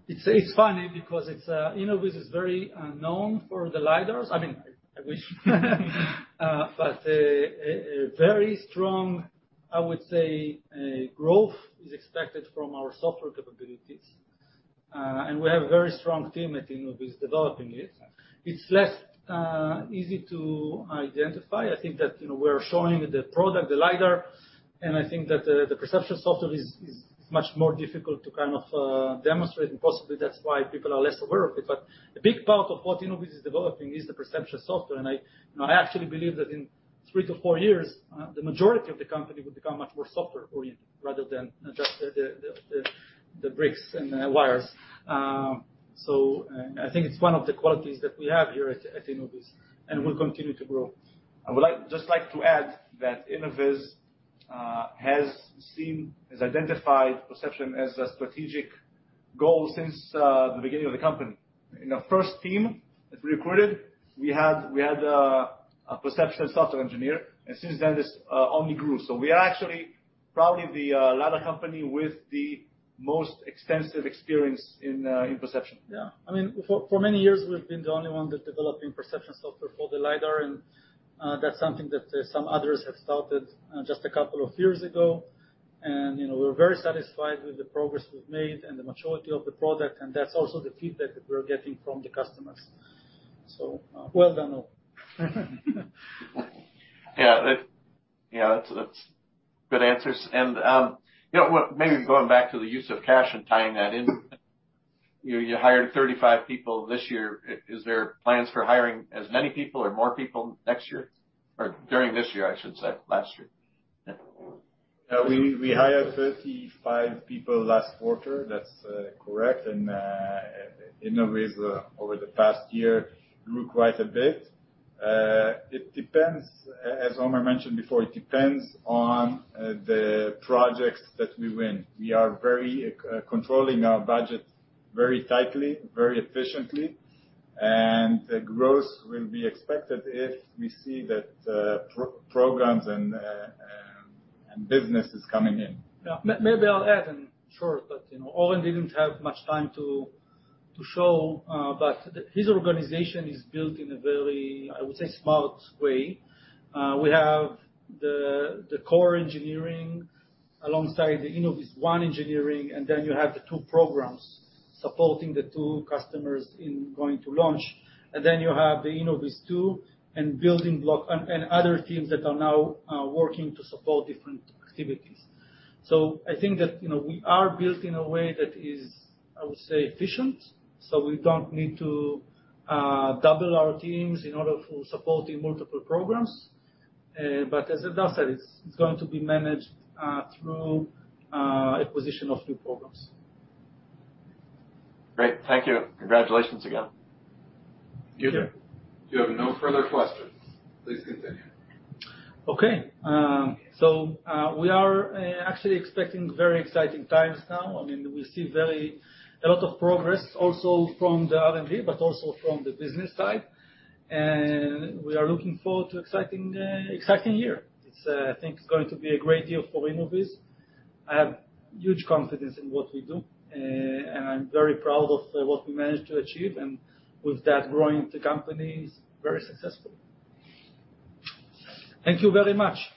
It's funny because it's Innoviz is very known for the LiDARs. I mean, I wish. But I would say a very strong growth is expected from our software capabilities. And we have a very strong team at Innoviz developing it. It's less easy to identify. I think that, you know, we're showing the product, the LiDAR, and I think that the Perception Software is much more difficult to kind of demonstrate, and possibly that's why people are less aware of it. But the big part of what Innoviz is developing is the Perception Software. I, you know, I actually believe that in three to four years the majority of the company will become much more software-oriented rather than just the bricks and the wires. I think it's one of the qualities that we have here at Innoviz, and will continue to grow. Just like to add that Innoviz has identified perception as a strategic goal since the beginning of the company. In our first team that we recruited, we had a Perception Software engineer, and since then it's only grew. We are actually probably the LiDAR company with the most extensive experience in perception. Yeah. I mean, for many years, we've been the only one that's developing Perception Software for the LiDAR, and that's something that some others have started just a couple of years ago. You know, we're very satisfied with the progress we've made and the maturity of the product, and that's also the feedback that we are getting from the customers. Well done, all. Yeah. That's good answers. You know, well, maybe going back to the use of cash and tying that in. You hired 35 people this year. Is there plans for hiring as many people or more people next year? Or during this year, I should say. Last year. We hired 35 people last quarter. That's correct. Innoviz over the past year grew quite a bit. It depends, as Omer mentioned before, on the projects that we win. We are very controlling our budget very tightly, very efficiently, and growth will be expected if we see that programs and business is coming in. Yeah. Maybe I'll add in short, but you know, Oren didn't have much time to show, but his organization is built in a very, I would say, smart way. We have the core engineering alongside the InnovizOne engineering, and then you have the two programs supporting the two customers in going to launch. Then you have the InnovizTwo and building block and other teams that are now working to support different activities. I think that you know, we are built in a way that is, I would say, efficient, so we don't need to double our teams in order for supporting multiple programs. But as Eldar said, it's going to be managed through acquisition of new programs. Great. Thank you. Congratulations again. Thank you. Thank you. We have no further questions. Please continue. Okay. So, we are actually expecting very exciting times now. I mean, we see a lot of progress also from the R&D, but also from the business side. We are looking forward to exciting year. It's, I think it's going to be a great year for Innoviz. I have huge confidence in what we do, and I'm very proud of what we managed to achieve, and with that, growing the company is very successful. Thank you very much.